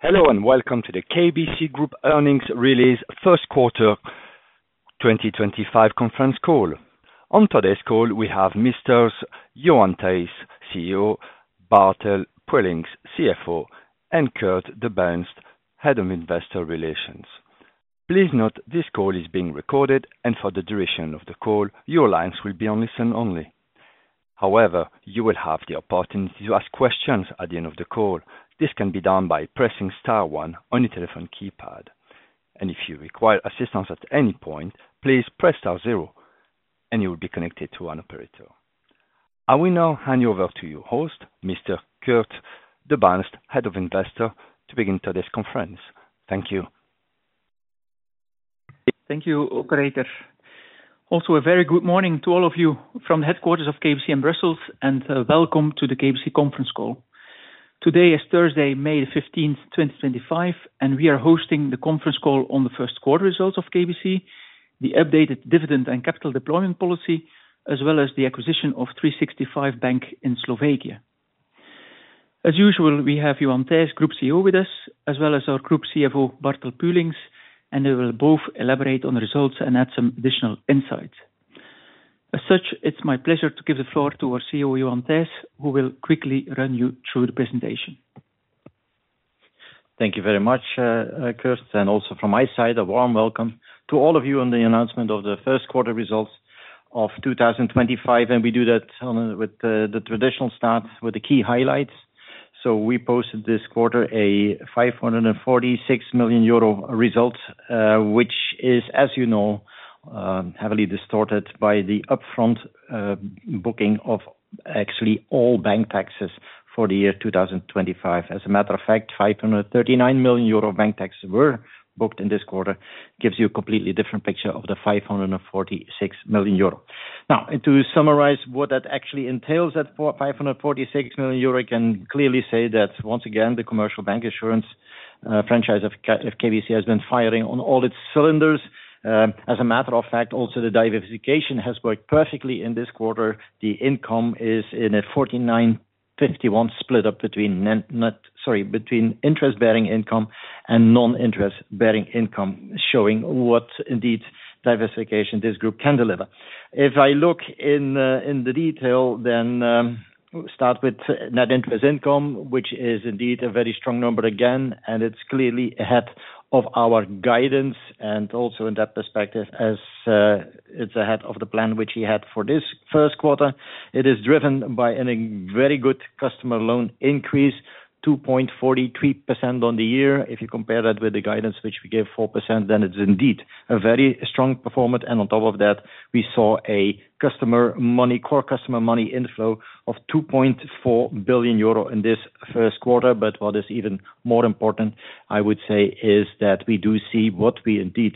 Hello and welcome to the KBC Group Earnings Release First Quarter 2025 Conference Call. On today's call, we have Mr. Johan Thijs, CEO, Bartel Puelinckx, CFO, and Kurt De Baenst, Head of Investor Relations. Please note this call is being recorded, and for the duration of the call, your lines will be on listen only. However, you will have the opportunity to ask questions at the end of the call. This can be done by pressing star one on your telephone keypad. If you require assistance at any point, please press star zero, and you will be connected to an operator. I will now hand you over to your host, Mr. Kurt De Baenst, Head of Investor, to begin today's conference. Thank you. Thank you, Operator. Also, a very good morning to all of you from the headquarters of KBC in Brussels, and welcome to the KBC conference call. Today is Thursday, May 15th, 2025, and we are hosting the conference call on the first quarter results of KBC, the updated dividend and capital deployment policy, as well as the acquisition of 365.bank in Slovakia. As usual, we have Johan Thijs, Group CEO, with us, as well as our Group CFO, Bartel Puelinckx, and they will both elaborate on the results and add some additional insights. As such, it's my pleasure to give the floor to our CEO, Johan Thijs, who will quickly run you through the presentation. Thank you very much, Kurt. Also from my side, a warm welcome to all of you on the announcement of the first quarter results of 2025. We do that with the traditional start, with the key highlights. We posted this quarter a 546 million euro result, which is, as you know, heavily distorted by the upfront booking of actually all bank taxes for the year 2025. As a matter of fact, 539 million euro bank taxes were booked in this quarter, gives you a completely different picture of the 546 million euro. Now, to summarize what that actually entails at 546 million euro, I can clearly say that, once again, the commercial bank insurance franchise of KBC has been firing on all its cylinders. As a matter of fact, also, the diversification has worked perfectly in this quarter. The income is in a 49%-51% split up between interest-bearing income and non-interest-bearing income, showing what indeed diversification this group can deliver. If I look in the detail, then we'll start with net interest income, which is indeed a very strong number again, and it's clearly ahead of our guidance. Also, in that perspective, as it's ahead of the plan which we had for this first quarter. It is driven by a very good customer loan increase, 2.43% on the year. If you compare that with the guidance, which we gave 4%, then it's indeed a very strong performance. On top of that, we saw a customer money, core customer money inflow of 2.4 billion euro in this first quarter. What is even more important, I would say, is that we do see what we indeed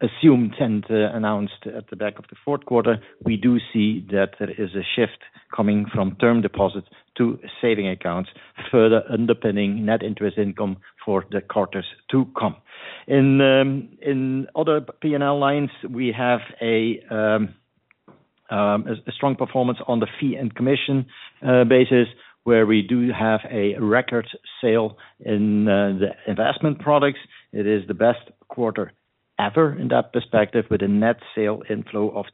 assumed and announced at the back of the fourth quarter. We do see that there is a shift coming from term deposits to saving accounts, further underpinning net interest income for the quarters to come. In other P&L lines, we have a strong performance on the fee and commission basis, where we do have a record sale in the investment products. It is the best quarter ever in that perspective, with a net sale inflow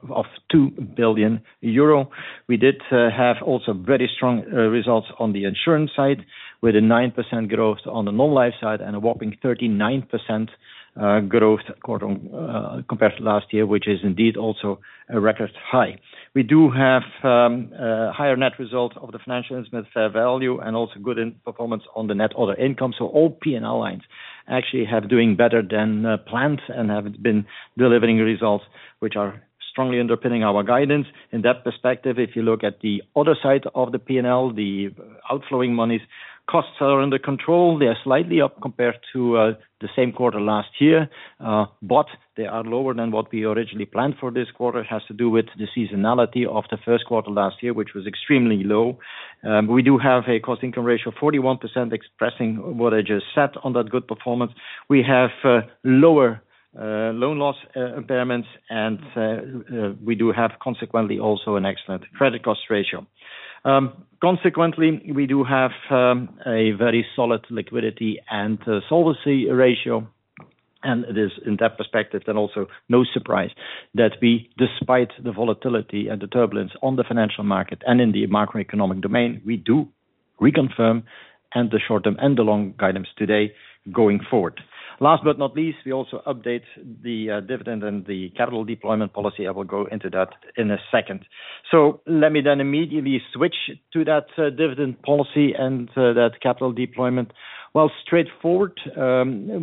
of 2 billion euro. We did have also very strong results on the insurance side, with a 9% growth on the non-life side and a whopping 39% growth compared to last year, which is indeed also a record high. We do have a higher net result of the financial instrument fair value and also good performance on the net other income. All P&L lines actually have been doing better than planned and have been delivering results which are strongly underpinning our guidance. In that perspective, if you look at the other side of the P&L, the outflowing monies costs are under control. They are slightly up compared to the same quarter last year, but they are lower than what we originally planned for this quarter. It has to do with the seasonality of the first quarter last year, which was extremely low. We do have a cost-income ratio of 41%, expressing what I just said on that good performance. We have lower loan loss impairments, and we do have, consequently, also an excellent credit cost ratio. Consequently, we do have a very solid liquidity and solvency ratio. It is, in that perspective, then also no surprise that we, despite the volatility and the turbulence on the financial market and in the macroeconomic domain, we do reconfirm the short-term and the long guidance today going forward. Last but not least, we also update the dividend and the capital deployment policy. I will go into that in a second. Let me then immediately switch to that dividend policy and that capital deployment. Straightforward,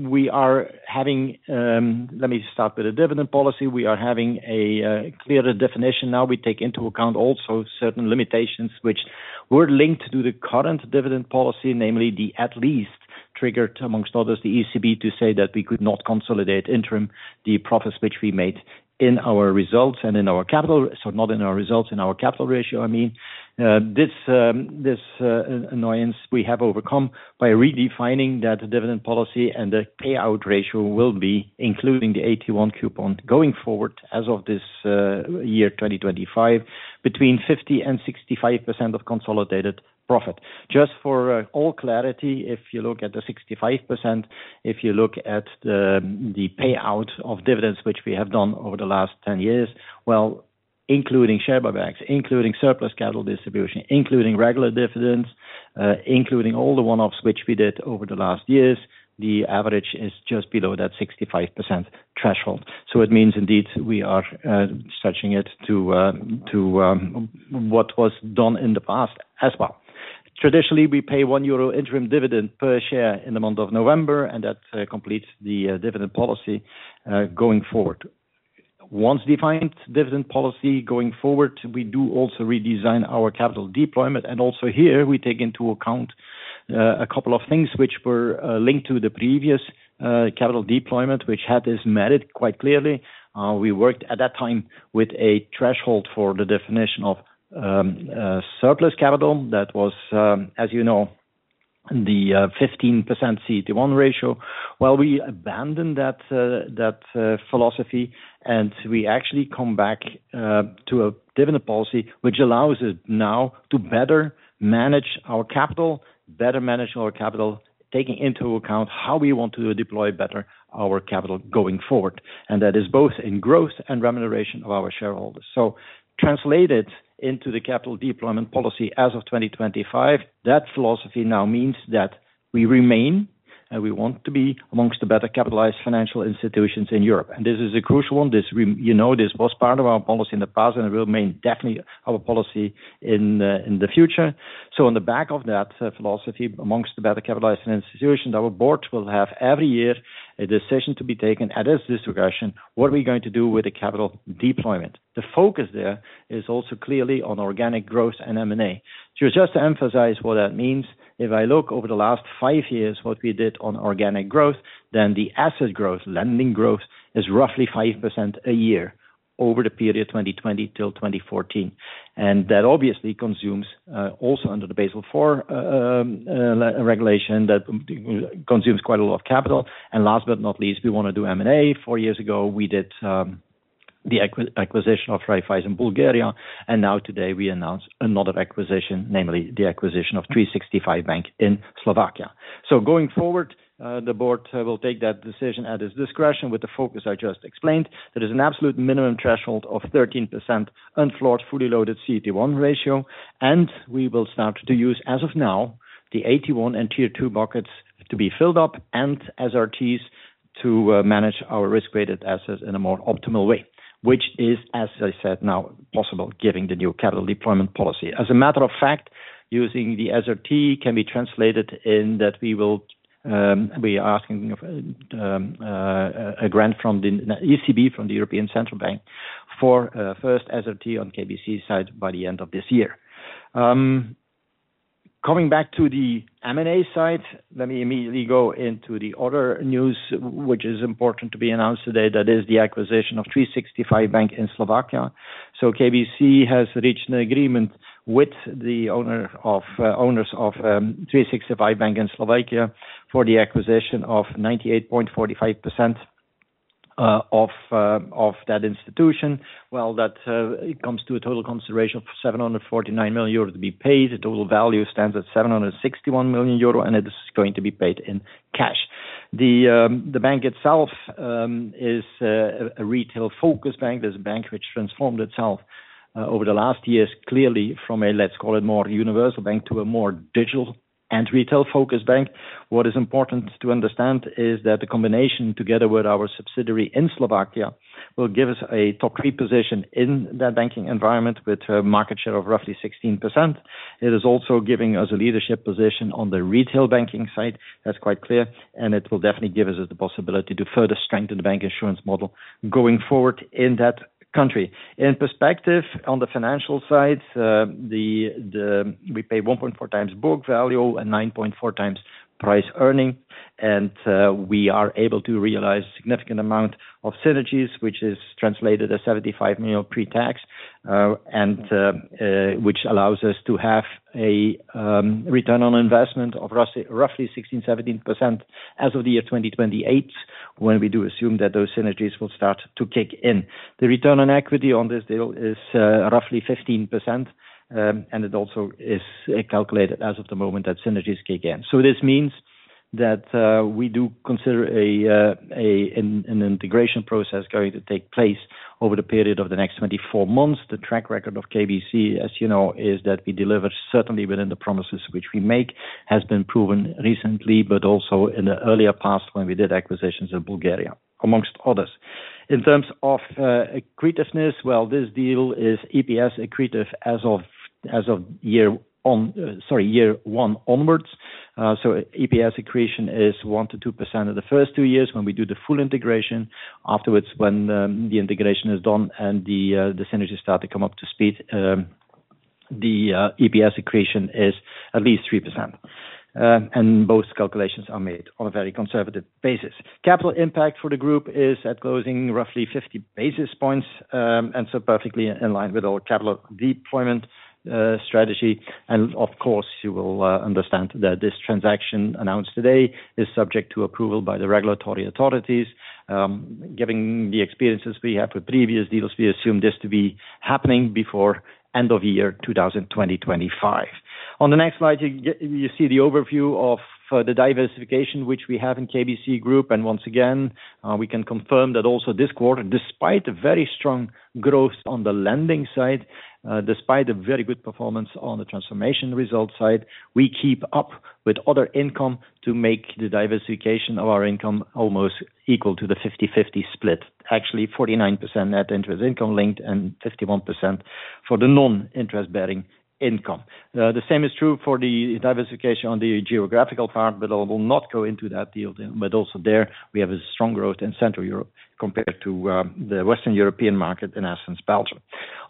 we are having—let me start with the dividend policy. We are having a clearer definition now. We take into account also certain limitations which were linked to the current dividend policy, namely the at-least triggered, amongst others, the ECB to say that we could not consolidate interim the profits which we made in our results and in our capital—so not in our results, in our capital ratio, I mean. This annoyance we have overcome by redefining that dividend policy and the payout ratio will be, including the AT1 coupon, going forward as of this year 2025, between 50%-65% of consolidated profit. Just for all clarity, if you look at the 65%, if you look at the payout of dividends which we have done over the last 10 years, including share buybacks, including surplus capital distribution, including regular dividends, including all the one-offs which we did over the last years, the average is just below that 65% threshold. It means indeed we are stretching it to what was done in the past as well. Traditionally, we pay 1 euro interim dividend per share in the month of November, and that completes the dividend policy going forward. Once defined dividend policy going forward, we do also redesign our capital deployment. Also here, we take into account a couple of things which were linked to the previous capital deployment, which had this merit quite clearly. We worked at that time with a threshold for the definition of surplus capital that was, as you know, the 15% CET1 ratio. We abandoned that philosophy, and we actually come back to a dividend policy which allows us now to better manage our capital, better manage our capital, taking into account how we want to deploy better our capital going forward. That is both in growth and remuneration of our shareholders. Translated into the capital deployment policy as of 2025, that philosophy now means that we remain and we want to be amongst the better capitalized financial institutions in Europe. This is a crucial one. You know this was part of our policy in the past and will remain definitely our policy in the future. On the back of that philosophy, amongst the better capitalized institutions, our board will have every year a decision to be taken at its discretion. What are we going to do with the capital deployment? The focus there is also clearly on organic growth and M&A. Just to emphasize what that means, if I look over the last five years, what we did on organic growth, then the asset growth, lending growth, is roughly 5% a year over the period 2020 till 2024. That obviously consumes also under the Basel IV regulation that consumes quite a lot of capital. Last but not least, we want to do M&A. Four years ago, we did the acquisition of Raiffeisen Bulgaria, and now today we announce another acquisition, namely the acquisition of 365.bank in Slovakia. Going forward, the board will take that decision at its discretion with the focus I just explained. There is an absolute minimum threshold of 13% unflawed fully loaded CET1 ratio, and we will start to use, as of now, the AT1 and Tier 2 buckets to be filled up and SRTs to manage our risk-weighted assets in a more optimal way, which is, as I said, now possible given the new capital deployment policy. As a matter of fact, using the SRT can be translated in that we are asking a grant from the ECB, from the European Central Bank, for a first SRT on KBC side by the end of this year. Coming back to the M&A side, let me immediately go into the other news, which is important to be announced today. That is the acquisition of 365.bank in Slovakia. KBC has reached an agreement with the owners of 365.bank in Slovakia for the acquisition of 98.45% of that institution. That comes to a total consideration of 749 million euros to be paid. The total value stands at 761 million euros, and it is going to be paid in cash. The bank itself is a retail-focused bank. There is a bank which transformed itself over the last years, clearly from a, let's call it, more universal bank to a more digital and retail-focused bank. What is important to understand is that the combination together with our subsidiary in Slovakia will give us a top three position in that banking environment with a market share of roughly 16%. It is also giving us a leadership position on the retail banking side. That's quite clear, and it will definitely give us the possibility to further strengthen the bank insurance model going forward in that country. In perspective on the financial side, we pay 1.4x book value and 9.4x price earning, and we are able to realize a significant amount of synergies, which is translated as 75 million pre-tax, and which allows us to have a return on investment of roughly 16%-17% as of the year 2028, when we do assume that those synergies will start to kick in. The return on equity on this deal is roughly 15%, and it also is calculated as of the moment that synergies kick in. This means that we do consider an integration process going to take place over the period of the next 24 months. The track record of KBC, as you know, is that we deliver certainly within the promises which we make, has been proven recently, but also in the earlier past when we did acquisitions in Bulgaria, amongst others. In terms of accretiveness, this deal is EPS accretive as of year one onwards. EPS accretion is 1%-2% of the first two years when we do the full integration. Afterwards, when the integration is done and the synergies start to come up to speed, the EPS accretion is at least 3%. Both calculations are made on a very conservative basis. Capital impact for the group is at closing roughly 50 basis points and perfectly in line with our capital deployment strategy. Of course, you will understand that this transaction announced today is subject to approval by the regulatory authorities. Given the experiences we have with previous deals, we assume this to be happening before the end of year 2025. On the next slide, you see the overview of the diversification which we have in KBC Group. Once again, we can confirm that also this quarter, despite very strong growth on the lending side, despite a very good performance on the transformation result side, we keep up with other income to make the diversification of our income almost equal to the 50/50 split. Actually, 49% net interest income linked and 51% for the non-interest-bearing income. The same is true for the diversification on the geographical part, I will not go into that deal. Also there, we have a strong growth in Central Europe compared to the Western European market, in essence, Belgium.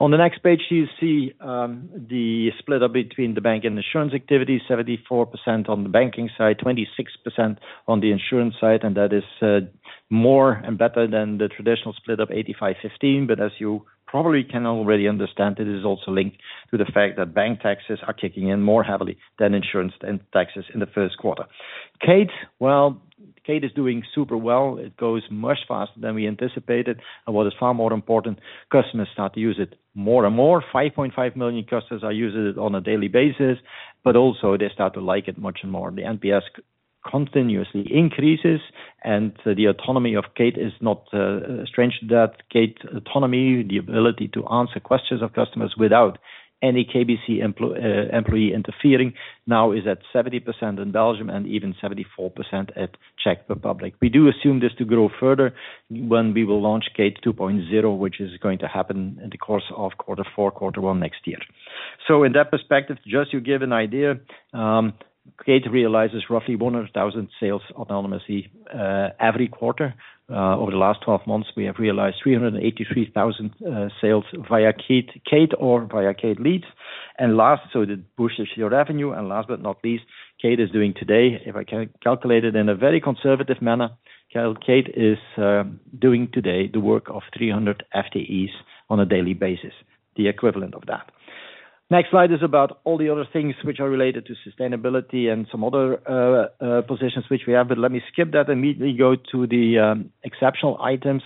On the next page, you see the split up between the bank and insurance activity: 74% on the banking side, 26% on the insurance side. That is more and better than the traditional split of 85/15. As you probably can already understand, it is also linked to the fact that bank taxes are kicking in more heavily than insurance taxes in the first quarter. Kate is doing super well. It goes much faster than we anticipated. What is far more important, customers start to use it more and more. 5.5 million customers are using it on a daily basis, but also they start to like it much more. The NPS continuously increases, and the autonomy of Kate is not strange to that. Kate's autonomy, the ability to answer questions of customers without any KBC employee interfering, now is at 70% in Belgium and even 74% at Czech Republic. We do assume this to grow further when we will launch Kate 2.0, which is going to happen in the course of quarter four, quarter one next year. In that perspective, just to give an idea, Kate realizes roughly 100,000 sales autonomously every quarter. Over the last 12 months, we have realized 383,000 sales via Kate or via Kate Leads. It boosts your revenue. Last but not least, Kate is doing today, if I can calculate it in a very conservative manner, Kate is doing today the work of 300 FTEs on a daily basis, the equivalent of that. Next slide is about all the other things which are related to sustainability and some other positions which we have. Let me skip that and immediately go to the exceptional items.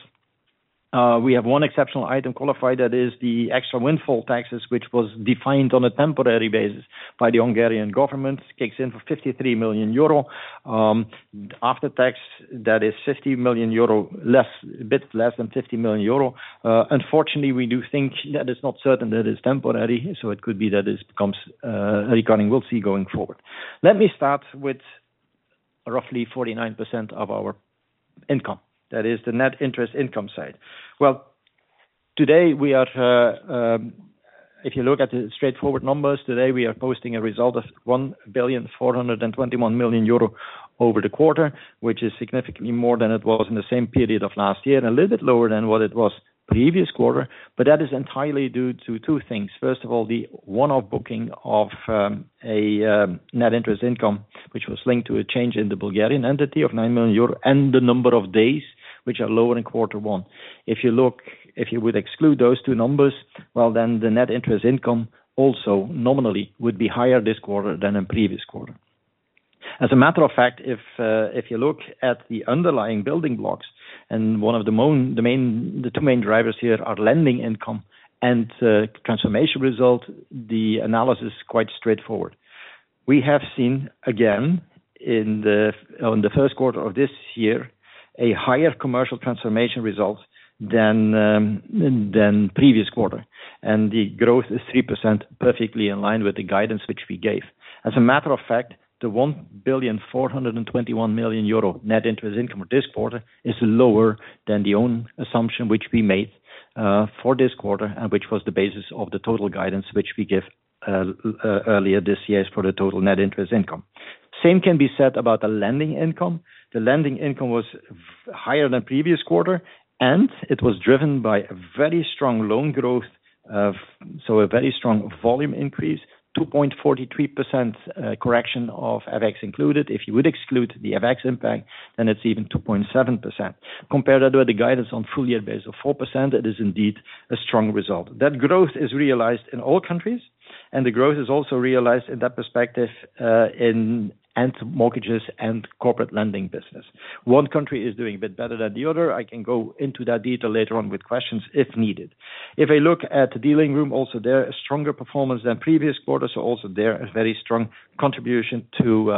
We have one exceptional item qualified. That is the extra windfall taxes, which was defined on a temporary basis by the Hungarian government, kicks in for 53 million euro. After tax, that is 50 million euro, a bit less than 50 million euro. Unfortunately, we do think that it's not certain that it's temporary, so it could be that it becomes recurring. We'll see going forward. Let me start with roughly 49% of our income. That is the net interest income side. Today, if you look at the straightforward numbers, today we are posting a result of 1.421 billion euro over the quarter, which is significantly more than it was in the same period of last year and a little bit lower than what it was previous quarter. That is entirely due to two things. First of all, the one-off booking of a net interest income, which was linked to a change in the Bulgarian entity of 9 million euros and the number of days which are lower in quarter one. If you look, if you would exclude those two numbers, the net interest income also nominally would be higher this quarter than in previous quarter. As a matter of fact, if you look at the underlying building blocks, and one of the two main drivers here are lending income and transformation result, the analysis is quite straightforward. We have seen, again, in the first quarter of this year, a higher commercial transformation result than previous quarter. The growth is 3%, perfectly in line with the guidance which we gave. As a matter of fact, the 1.421 billion net interest income this quarter is lower than the own assumption which we made for this quarter and which was the basis of the total guidance which we gave earlier this year for the total net interest income. Same can be said about the lending income. The lending income was higher than previous quarter, and it was driven by a very strong loan growth, so a very strong volume increase, 2.43% correction of FX included. If you would exclude the FX impact, then it's even 2.7%. Compared with the guidance on full year base of 4%, it is indeed a strong result. That growth is realized in all countries, and the growth is also realized in that perspective in mortgages and corporate lending business. One country is doing a bit better than the other. I can go into that detail later on with questions if needed. If I look at the dealing room, also there is stronger performance than previous quarter, so also there is a very strong contribution to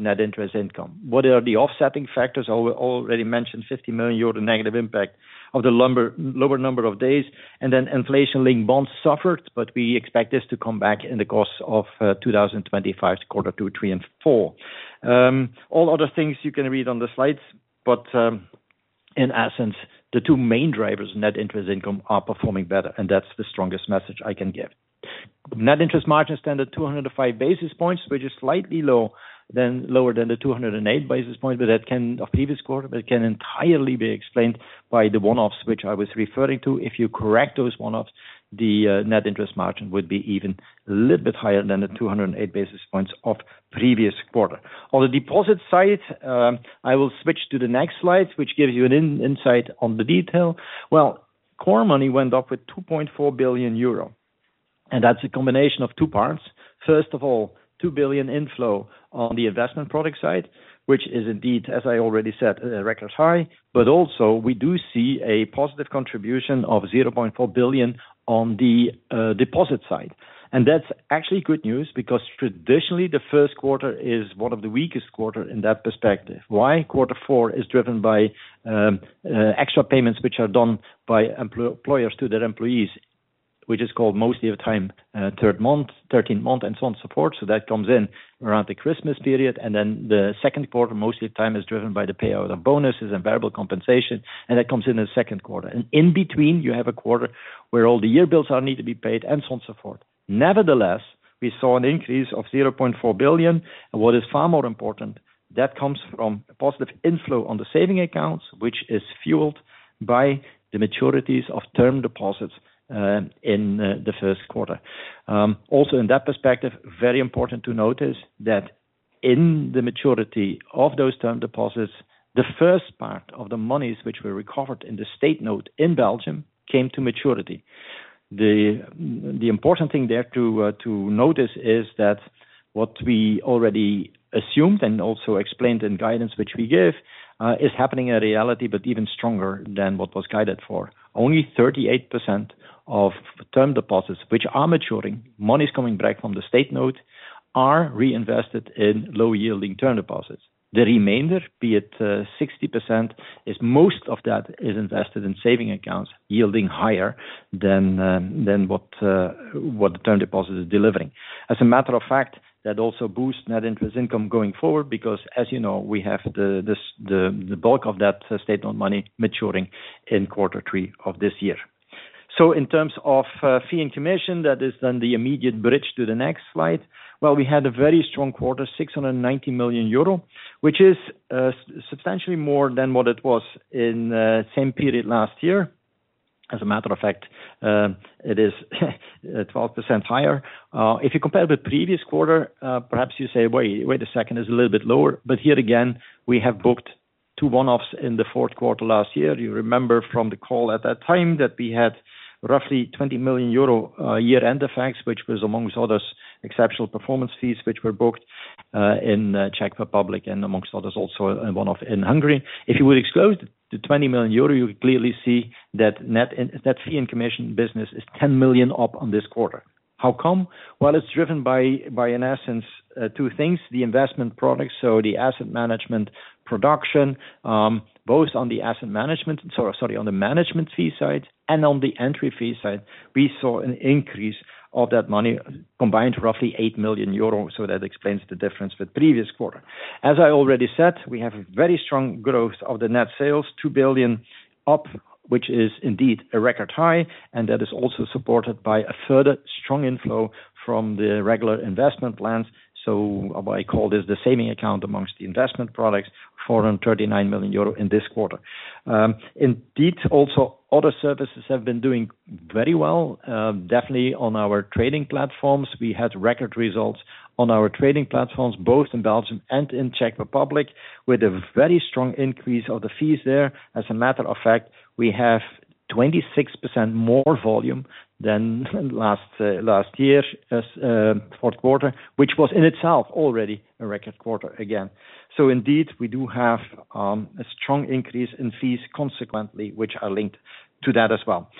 net interest income. What are the offsetting factors? I already mentioned 50 million euro negative impact of the lower number of days. And then inflation-linked bonds suffered, but we expect this to come back in the course of 2025 quarter two, three, and four. All other things you can read on the slides, but in essence, the two main drivers of net interest income are performing better, and that's the strongest message I can give. Net interest margin standard 205 basis points, which is slightly lower than the 208 basis points, but that can of previous quarter, but it can entirely be explained by the one-offs which I was referring to. If you correct those one-offs, the net interest margin would be even a little bit higher than the 208 basis points of previous quarter. On the deposit side, I will switch to the next slide, which gives you an insight on the detail. Core money went up with 2.4 billion euro, and that's a combination of two parts. First of all, 2 billion inflow on the investment product side, which is indeed, as I already said, a record high, but also we do see a positive contribution of 0.4 billion on the deposit side. And that's actually good news because traditionally, the first quarter is one of the weakest quarters in that perspective. Why? Quarter four is driven by extra payments which are done by employers to their employees, which is called mostly of time third month, 13th month, and so on and so forth. That comes in around the Christmas period. The second quarter, mostly of time, is driven by the payout of bonuses and variable compensation, and that comes in the second quarter. In between, you have a quarter where all the year bills need to be paid and so on and so forth. Nevertheless, we saw an increase of 0.4 billion. What is far more important, that comes from a positive inflow on the saving accounts, which is fueled by the maturities of term deposits in the first quarter. Also, in that perspective, very important to notice that in the maturity of those term deposits, the first part of the monies which were recovered in the state note in Belgium came to maturity. The important thing there to notice is that what we already assumed and also explained in guidance which we gave is happening in reality, but even stronger than what was guided for. Only 38% of term deposits which are maturing, monies coming back from the state note, are reinvested in low-yielding term deposits. The remainder, be it 60%, is most of that is invested in saving accounts yielding higher than what the term deposit is delivering. As a matter of fact, that also boosts net interest income going forward because, as you know, we have the bulk of that state-owned money maturing in quarter three of this year. In terms of fee and commission, that is then the immediate bridge to the next slide. We had a very strong quarter, 690 million euro, which is substantially more than what it was in the same period last year. As a matter of fact, it is 12% higher. If you compare with previous quarter, perhaps you say, "Wait, wait a second, it's a little bit lower." Here again, we have booked two one-offs in the fourth quarter last year. You remember from the call at that time that we had roughly 20 million euro year-end effects, which was, amongst others, exceptional performance fees which were booked in Czech Republic and, amongst others, also one-off in Hungary. If you would exclude the 20 million euro, you can clearly see that net fee and commission business is 10 million up on this quarter. How come? It is driven by, in essence, two things: the investment products, so the asset management production, both on the asset management, sorry, on the management fee side, and on the entry fee side, we saw an increase of that money combined to roughly 8 million euros. That explains the difference with previous quarter. As I already said, we have a very strong growth of the net sales, 2 billion up, which is indeed a record high. That is also supported by a further strong inflow from the regular investment plans. I call this the saving account amongst the investment products, 439 million euro in this quarter. Indeed, also, other services have been doing very well. Definitely, on our trading platforms, we had record results on our trading platforms, both in Belgium and in Czech Republic, with a very strong increase of the fees there. As a matter of fact, we have 26% more volume than last year's fourth quarter, which was in itself already a record quarter again. Indeed, we do have a strong increase in fees consequently, which are linked to that as well.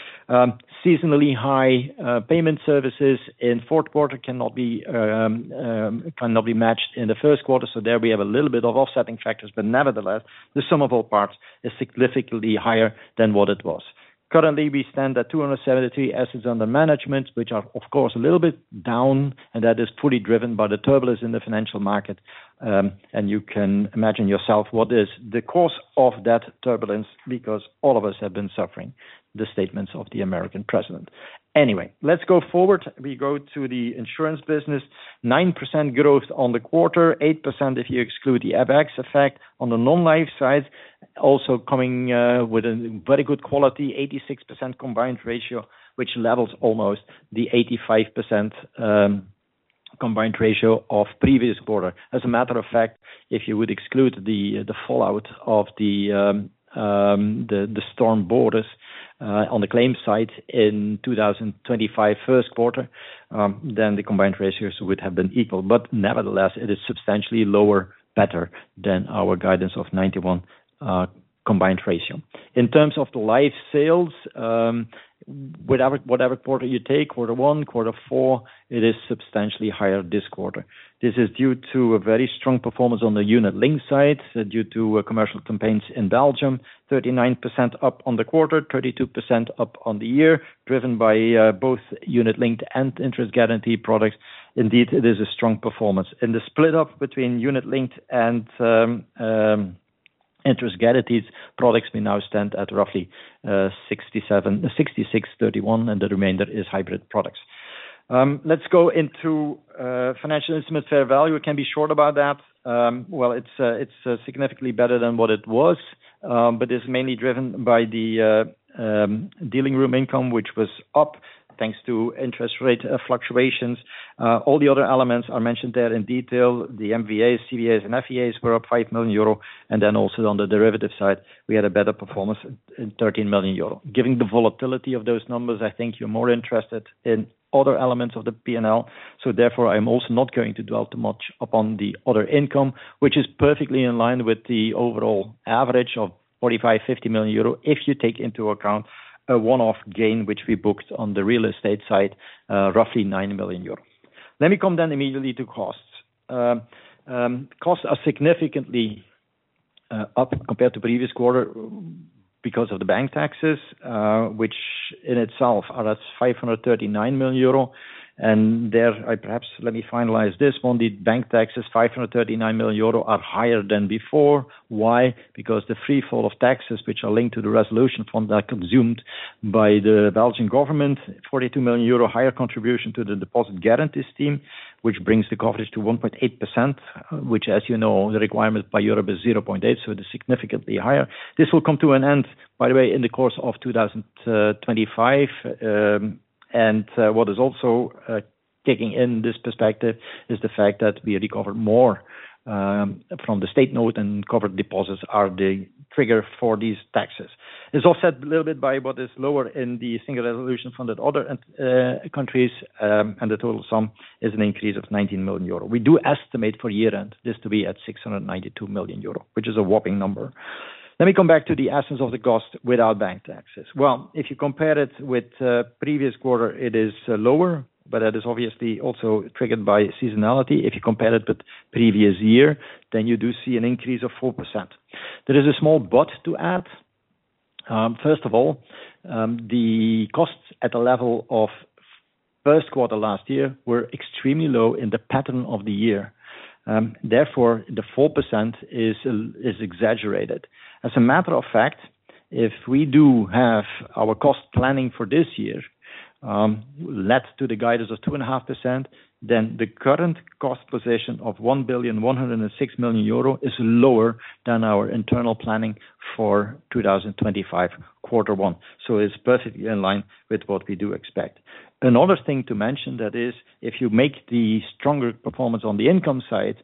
Seasonally high payment services in fourth quarter cannot be matched in the first quarter. There we have a little bit of offsetting factors, but nevertheless, the sum of all parts is significantly higher than what it was. Currently, we stand at 273 billion assets under management, which are, of course, a little bit down, and that is fully driven by the turbulence in the financial market. You can imagine yourself what is the cause of that turbulence because all of us have been suffering the statements of the American president. Anyway, let's go forward. We go to the insurance business: 9% growth on the quarter, 8% if you exclude the FX effect. On the non-life side, also coming with a very good quality, 86% combined ratio, which levels almost the 85% combined ratio of previous quarter. As a matter of fact, if you would exclude the fallout of the storm borders on the claim side in 2025 first quarter, then the combined ratios would have been equal. Nevertheless, it is substantially lower, better than our guidance of 91% combined ratio. In terms of the life sales, whatever quarter you take, quarter one, quarter four, it is substantially higher this quarter. This is due to a very strong performance on the unit-linked side due to commercial campaigns in Belgium: 39% up on the quarter, 32% up on the year, driven by both unit-linked and interest-guaranteed products. Indeed, it is a strong performance. The split-up between unit-linked and interest-guaranteed products, we now stand at roughly 66%, 31%, and the remainder is hybrid products. Let's go into financial instrument fair value. It can be short about that. It is significantly better than what it was, but it is mainly driven by the dealing room income, which was up thanks to interest rate fluctuations. All the other elements are mentioned there in detail. The MVAs, CVAs, and FEAs were up 5 million euro. Also, on the derivative side, we had a better performance in 13 million euro. Given the volatility of those numbers, I think you are more interested in other elements of the P&L. Therefore, I am also not going to dwell too much upon the other income, which is perfectly in line with the overall average of 45 million-50 million euro if you take into account a one-off gain which we booked on the real estate side, roughly 9 million euros. Let me come then immediately to costs. Costs are significantly up compared to previous quarter because of the bank taxes, which in itself are at 539 million euro. I perhaps let me finalize this one. The bank taxes, 539 million euro, are higher than before. Why? Because the free fall of taxes, which are linked to the resolution fund that is consumed by the Belgian government, 42 million euro higher contribution to the deposit guarantee scheme, which brings the coverage to 1.8%, which, as you know, the requirement by Europe is 0.8%, so it is significantly higher. This will come to an end, by the way, in the course of 2025. What is also kicking in this perspective is the fact that we recovered more from the state note and covered deposits are the trigger for these taxes. It is offset a little bit by what is lower in the single resolution fund at other countries, and the total sum is an increase of 19 million euro. We do estimate for year-end this to be at 692 million euro, which is a whopping number. Let me come back to the essence of the cost without bank taxes. If you compare it with previous quarter, it is lower, but that is obviously also triggered by seasonality. If you compare it with previous year, then you do see an increase of 4%. There is a small but to add. First of all, the costs at the level of first quarter last year were extremely low in the pattern of the year. Therefore, the 4% is exaggerated. As a matter of fact, if we do have our cost planning for this year led to the guidance of 2.5%, then the current cost position of 1.106 billion is lower than our internal planning for 2025 quarter one. It is perfectly in line with what we do expect. Another thing to mention that is, if you make the stronger performance on the income side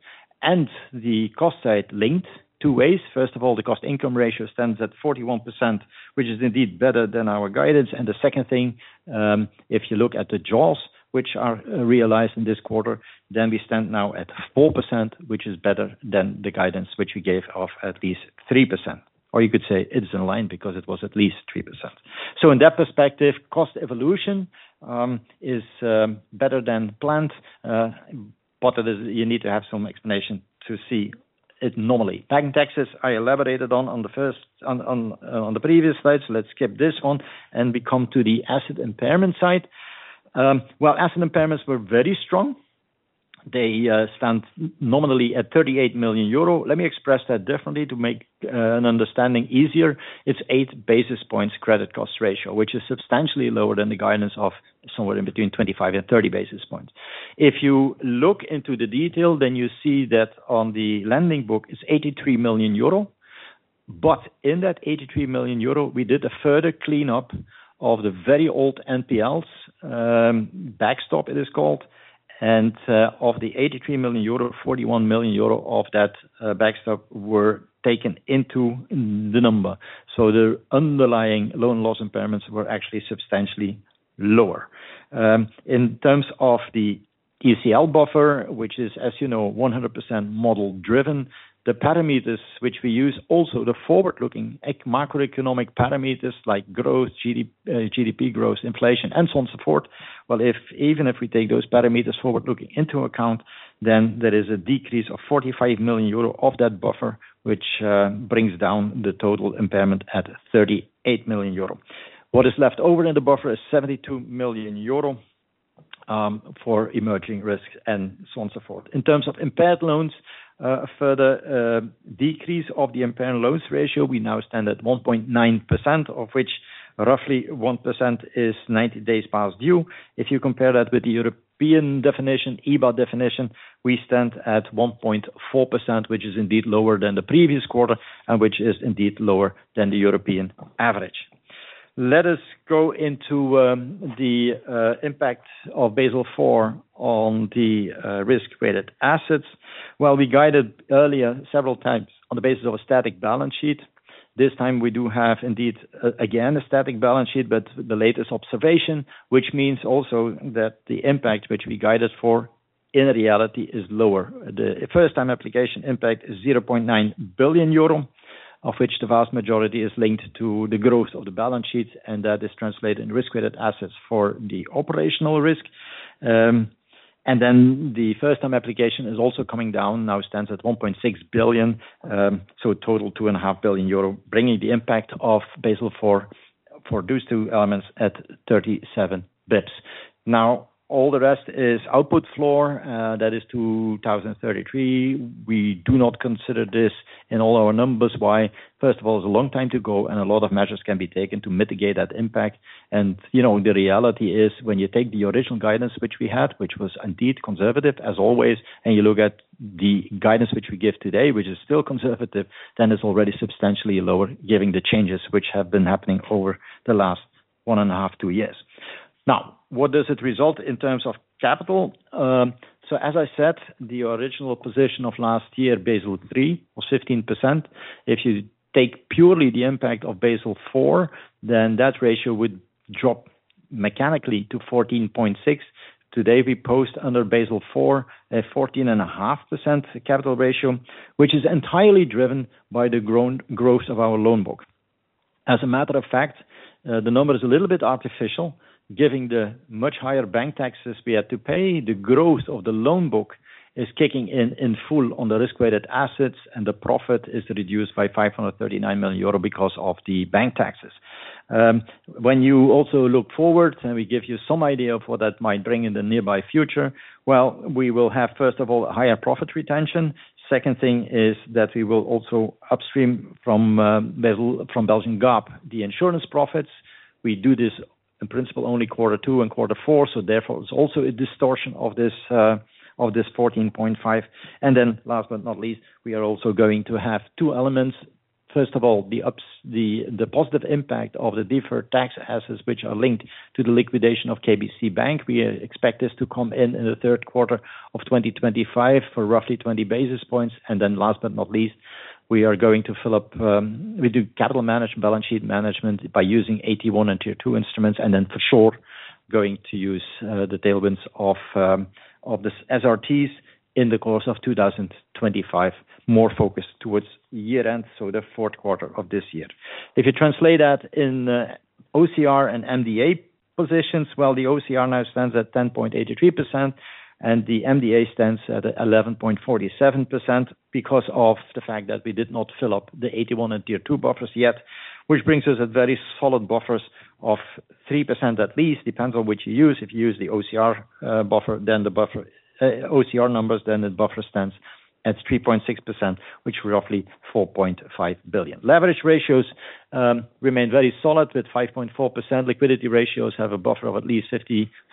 and the cost side linked two ways, first of all, the cost-income ratio stands at 41%, which is indeed better than our guidance. The second thing, if you look at the jaws which are realized in this quarter, then we stand now at 4%, which is better than the guidance which we gave of at least 3%. Or you could say it's in line because it was at least 3%. In that perspective, cost evolution is better than planned, but you need to have some explanation to see it normally. Bank taxes, I elaborated on the first on the previous slide, so let's skip this one. We come to the asset impairment side. Asset impairments were very strong. They stand nominally at 38 million euro. Let me express that differently to make an understanding easier. It is 8 basis points credit cost ratio, which is substantially lower than the guidance of somewhere in between 25 basis points and 30 basis points. If you look into the detail, then you see that on the lending book it is 83 million euro. But in that 83 million euro, we did a further cleanup of the very old NPLs, backstop it is called, and of the 83 million euro, 41 million euro of that backstop were taken into the number. The underlying loan loss impairments were actually substantially lower. In terms of the ECL buffer, which is, as you know, 100% model-driven, the parameters which we use, also the forward-looking macroeconomic parameters like growth, GDP growth, inflation, and so on and so forth, even if we take those parameters forward-looking into account, then there is a decrease of 45 million euro of that buffer, which brings down the total impairment at 38 million euro. What is left over in the buffer is 72 million euro for emerging risks and so on and so forth. In terms of impaired loans, a further decrease of the impaired loans ratio, we now stand at 1.9%, of which roughly 1% is 90 days past due. If you compare that with the European definition, EBA definition, we stand at 1.4%, which is indeed lower than the previous quarter and which is indeed lower than the European average. Let us go into the impact of Basel IV on the risk-weighted assets. We guided earlier several times on the basis of a static balance sheet. This time, we do have indeed again a static balance sheet, but the latest observation, which means also that the impact which we guided for in reality is lower. The first-time application impact is 0.9 billion euro, of which the vast majority is linked to the growth of the balance sheets, and that is translated in risk-weighted assets for the operational risk. The first-time application is also coming down, now stands at 1.6 billion, so total 2.5 billion euro, bringing the impact of Basel IV for these two elements at 37 basis points. All the rest is output floor, that is 2033. We do not consider this in all our numbers. Why? First of all, it's a long time to go and a lot of measures can be taken to mitigate that impact. The reality is, when you take the original guidance which we had, which was indeed conservative as always, and you look at the guidance which we give today, which is still conservative, then it's already substantially lower, given the changes which have been happening over the last one and a half, two years. Now, what does it result in terms of capital? As I said, the original position of last year, Basel III, was 15%. If you take purely the impact of Basel IV, then that ratio would drop mechanically to 14.6%. Today, we post under Basel IV a 14.5% capital ratio, which is entirely driven by the growth of our loan book. As a matter of fact, the number is a little bit artificial. Given the much higher bank taxes we had to pay, the growth of the loan book is kicking in in full on the risk-weighted assets, and the profit is reduced by 539 million euro because of the bank taxes. When you also look forward, and we give you some idea of what that might bring in the nearby future, we will have, first of all, higher profit retention. Second thing is that we will also upstream from Belgian GAAP, the insurance profits. We do this in principle only quarter two and quarter four, so therefore it's also a distortion of this 14.5. Last but not least, we are also going to have two elements. First of all, the positive impact of the deferred tax assets, which are linked to the liquidation of KBC Bank. We expect this to come in in the third quarter of 2025 for roughly 20 basis points. Last but not least, we are going to fill up with the capital management, balance sheet management by using AT1 and Tier 2 instruments, and for sure going to use the tailwinds of the SRTs in the course of 2025, more focused towards year-end, so the fourth quarter of this year. If you translate that in OCR and MDA positions, the OCR now stands at 10.83%, and the MDA stands at 11.47% because of the fact that we did not fill up the AT1 and Tier 2 buffers yet, which brings us at very solid buffers of 3% at least. Depends on which you use. If you use the OCR buffer, then the OCR numbers, then the buffer stands at 3.6%, which is roughly 4.5 billion. Leverage ratios remain very solid with 5.4%. Liquidity ratios have a buffer of at least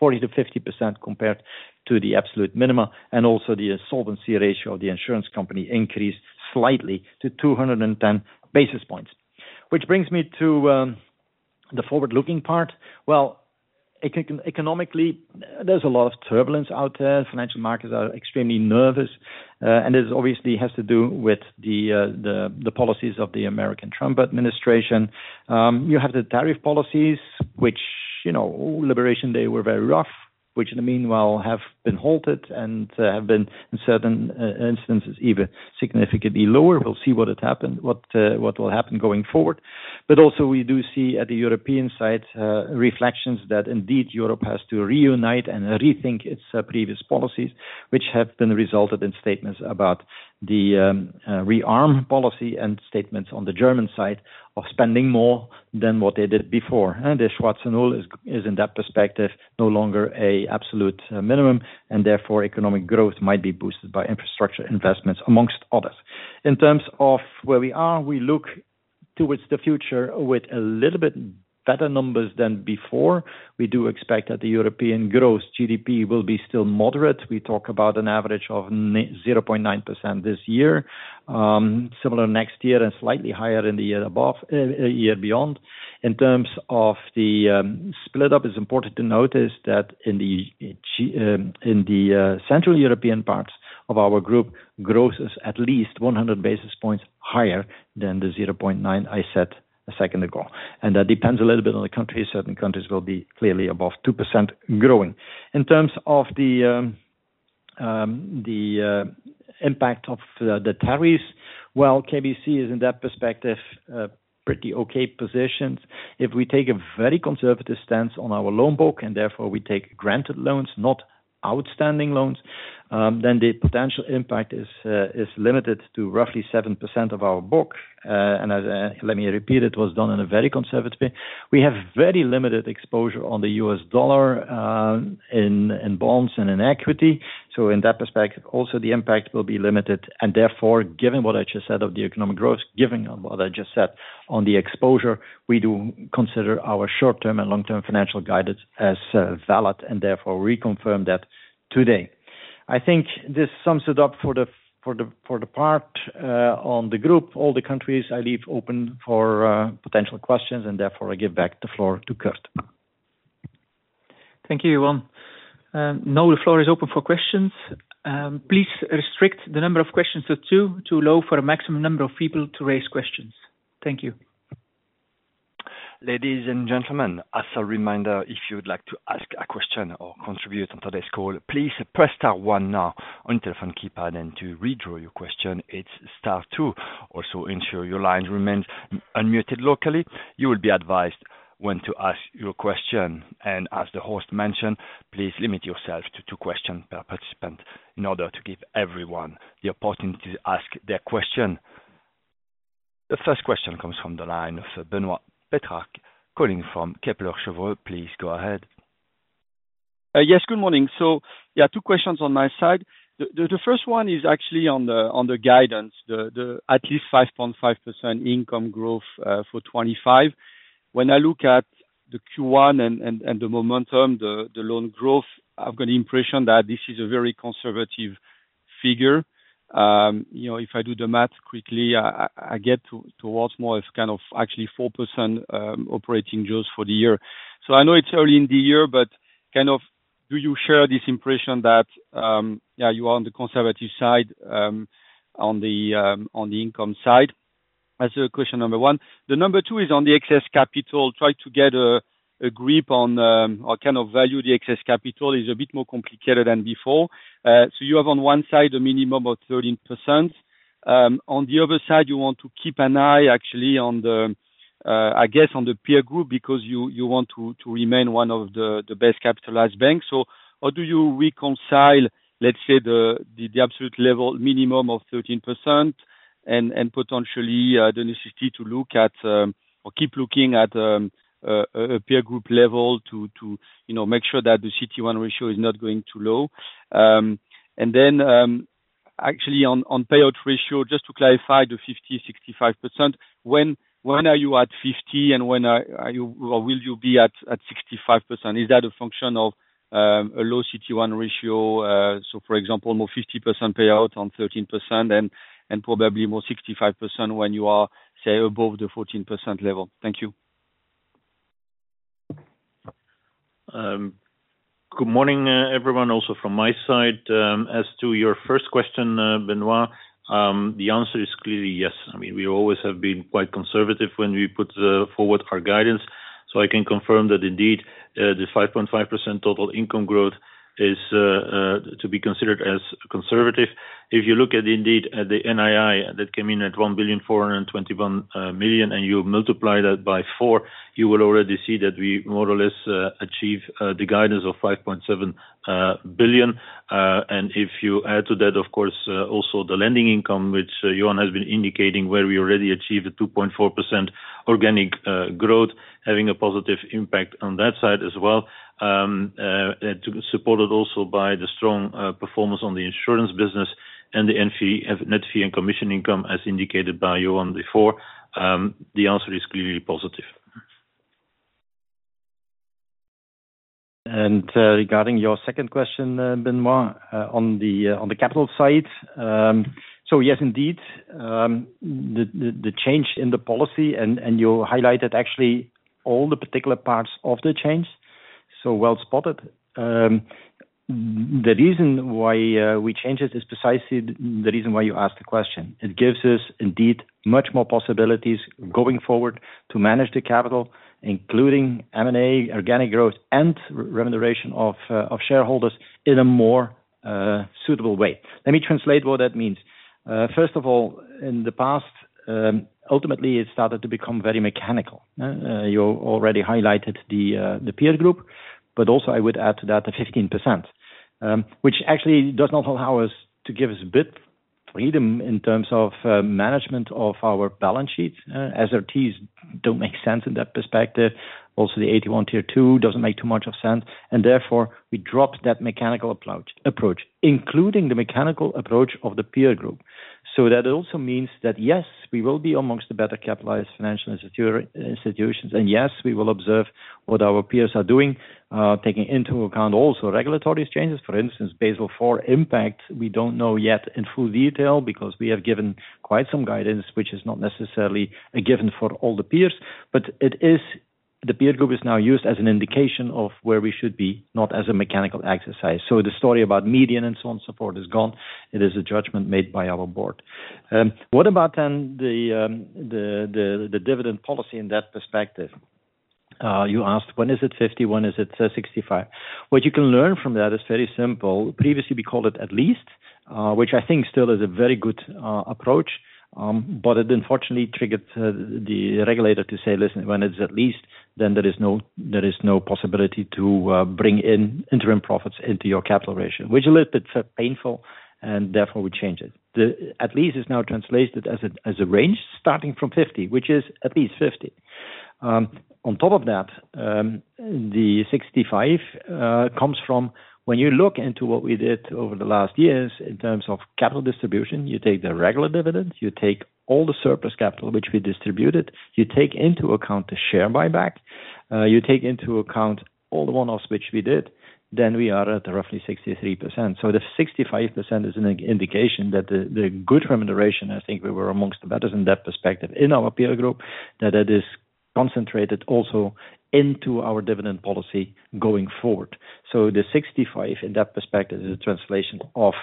40%-50% compared to the absolute minima. Also, the solvency ratio of the insurance company increased slightly to 210 basis points, which brings me to the forward-looking part. Economically, there is a lot of turbulence out there. Financial markets are extremely nervous, and this obviously has to do with the policies of the American Trump administration. You have the tariff policies, which Liberation Day were very rough, which in the meanwhile have been halted and have been in certain instances even significantly lower. We will see what will happen going forward. Also, we do see at the European side reflections that indeed Europe has to reunite and rethink its previous policies, which have then resulted in statements about the rearm policy and statements on the German side of spending more than what they did before. The Schwarze Null is, in that perspective, no longer an absolute minimum, and therefore economic growth might be boosted by infrastructure investments, among others. In terms of where we are, we look towards the future with a little bit better numbers than before. We do expect that the European growth GDP will be still moderate. We talk about an average of 0.9% this year, similar next year and slightly higher in the year beyond. In terms of the split-up, it's important to notice that in the central European parts of our group, growth is at least 100 basis points higher than the 0.9% I said a second ago. That depends a little bit on the country. Certain countries will be clearly above 2% growing. In terms of the impact of the tariffs, KBC is, in that perspective, pretty okay positioned. If we take a very conservative stance on our loan book, and therefore we take granted loans, not outstanding loans, then the potential impact is limited to roughly 7% of our book. Let me repeat it, it was done in a very conservative way. We have very limited exposure on the U.S. dollar in bonds and in equity. In that perspective, also the impact will be limited. Therefore, given what I just said of the economic growth, given what I just said on the exposure, we do consider our short-term and long-term financial guidance as valid, and therefore reconfirm that today. I think this sums it up for the part on the group. All the countries, I leave open for potential questions, and therefore I give back the floor to Kurt. Thank you, Johan. Now the floor is open for questions. Please restrict the number of questions to two, to allow for a maximum number of people to raise questions. Thank you. Ladies and gentlemen, as a reminder, if you'd like to ask a question or contribute on today's call, please press star one now on your telephone keypad and to withdraw your question, it's star two. Also, ensure your line remains unmuted locally. You will be advised when to ask your question. As the host mentioned, please limit yourself to two questions per participant in order to give everyone the opportunity to ask their question. The first question comes from the line of Benoît Pétrarque, calling from Kepler Cheuvreux. Please go ahead. Yes, good morning. Yeah, two questions on my side. The first one is actually on the guidance, the at least 5.5% income growth for 2025. When I look at the Q1 and the momentum, the loan growth, I've got the impression that this is a very conservative figure. If I do the math quickly, I get towards more of kind of actually 4% operating growth for the year. I know it's early in the year, but do you share this impression that, yeah, you are on the conservative side on the income side? That's question number one. Number two is on the excess capital. Try to get a grip on or kind of value the excess capital is a bit more complicated than before. You have on one side a minimum of 13%. On the other side, you want to keep an eye actually on the, I guess, on the peer group because you want to remain one of the best capitalized banks. How do you reconcile, let's say, the absolute level minimum of 13% and potentially the necessity to look at or keep looking at a peer group level to make sure that the CET1 ratio is not going too low? Then actually on payout ratio, just to clarify the 50%-65%, when are you at 50% and when will you be at 65%? Is that a function of a low CET1 ratio? For example, more 50% payout on 13% and probably more 65% when you are, say, above the 14% level? Thank you. Good morning, everyone. Also, from my side, as to your first question, Benoît, the answer is clearly yes. I mean, we always have been quite conservative when we put forward our guidance. I can confirm that indeed the 5.5% total income growth is to be considered as conservative. If you look at indeed at the NII that came in at 1.421 billion and you multiply that by four, you will already see that we more or less achieve the guidance of 5.7 billion. If you add to that, of course, also the lending income, which Johan has been indicating, where we already achieved a 2.4% organic growth, having a positive impact on that side as well. Supported also by the strong performance on the insurance business and the net fee and commission income as indicated by Johan before, the answer is clearly positive. Regarding your second question, Benoît, on the capital side, yes, indeed, the change in the policy and you highlighted actually all the particular parts of the change, so well spotted. The reason why we changed it is precisely the reason why you asked the question. It gives us indeed much more possibilities going forward to manage the capital, including M&A, organic growth, and remuneration of shareholders in a more suitable way. Let me translate what that means. First of all, in the past, ultimately, it started to become very mechanical. You already highlighted the peer group, but also I would add to that the 15%, which actually does not allow us to give us a bit of freedom in terms of management of our balance sheets. SRTs do not make sense in that perspective. Also, the AT1 tier two does not make too much of sense. Therefore, we dropped that mechanical approach, including the mechanical approach of the peer group. That also means that yes, we will be amongst the better capitalized financial institutions. Yes, we will observe what our peers are doing, taking into account also regulatory changes. For instance, Basel IV impact, we do not know yet in full detail because we have given quite some guidance, which is not necessarily a given for all the peers. The peer group is now used as an indication of where we should be, not as a mechanical exercise. The story about median and so on and so forth is gone. It is a judgment made by our board. What about then the dividend policy in that perspective? You asked, when is it 50%, when is it 65%? What you can learn from that is very simple. Previously, we called it at least, which I think still is a very good approach, but it unfortunately triggered the regulator to say, "Listen, when it's at least, then there is no possibility to bring in interim profits into your capital ratio," which is a little bit painful, and therefore we changed it. At least is now translated as a range starting from 50%, which is at least 50%. On top of that, the 65% comes from when you look into what we did over the last years in terms of capital distribution, you take the regular dividends, you take all the surplus capital which we distributed, you take into account the share buyback, you take into account all the one-offs which we did, then we are at roughly 63%. The 65% is an indication that the good remuneration, I think we were amongst the betters in that perspective in our peer group, that it is concentrated also into our dividend policy going forward. The 65% in that perspective is a translation of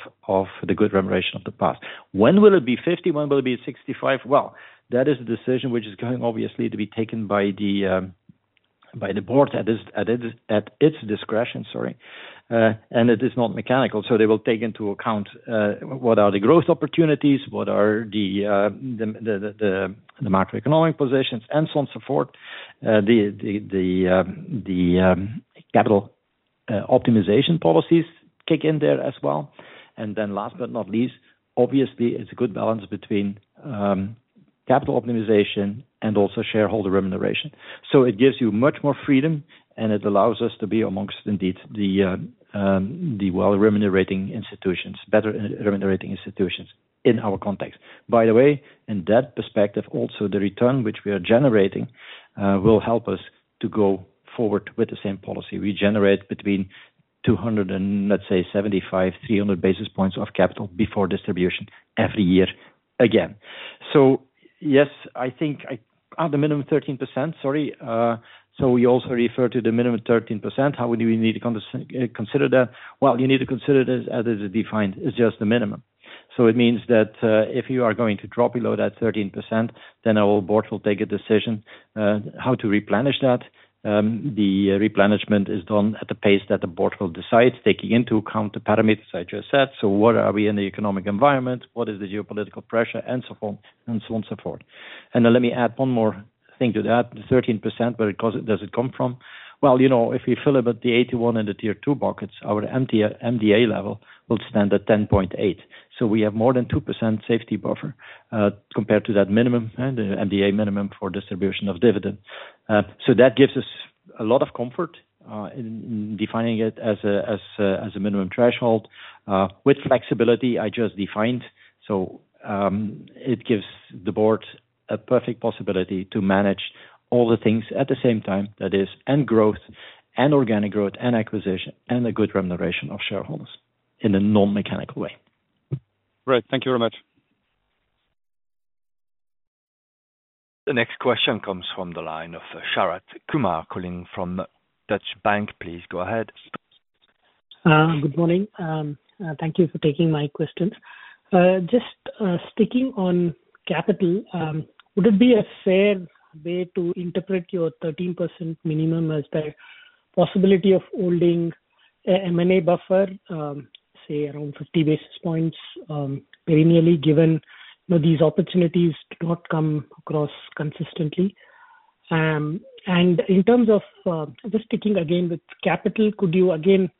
the good remuneration of the past. When will it be 50%? When will it be 65? That is a decision which is going obviously to be taken by the board at its discretion, sorry. It is not mechanical. They will take into account what are the growth opportunities, what are the macroeconomic positions, and so on and so forth. The capital optimization policies kick in there as well. Then last but not least, obviously, it is a good balance between capital optimization and also shareholder remuneration. It gives you much more freedom, and it allows us to be amongst indeed the well-remunerating institutions, better remunerating institutions in our context. By the way, in that perspective, also the return which we are generating will help us to go forward with the same policy. We generate between 200 basis pointsand, let's say, 275 basis points-300 basis points of capital before distribution every year again. Yes, I think at the minimum 13%, sorry. You also refer to the minimum 13%. How do we need to consider that? You need to consider this as it is defined as just the minimum. It means that if you are going to drop below that 13%, then our board will take a decision how to replenish that. The replenishment is done at the pace that the board will decide, taking into account the parameters I just said. What are we in the economic environment? What is the geopolitical pressure? And so on and so forth. Let me add one more thing to that. The 13%, where does it come from? You know, if we fill up the AT1 and the Tier 2 buckets, our MDA level will stand at 10.8%. We have more than 2% safety buffer compared to that minimum, the MDA minimum for distribution of dividends. That gives us a lot of comfort in defining it as a minimum threshold with flexibility I just defined. It gives the board a perfect possibility to manage all the things at the same time, that is, and growth and organic growth and acquisition and the good remuneration of shareholders in a non-mechanical way. Great. Thank you very much. The next question comes from the line of Sharath Kumar calling from Deutsche Bank. Please go ahead. Good morning. Thank you for taking my questions. Just sticking on capital, would it be a fair way to interpret your 13% minimum as the possibility of holding an M&A buffer, say, around 50 basis points perennially given these opportunities do not come across consistently? In terms of just sticking again with capital, could you again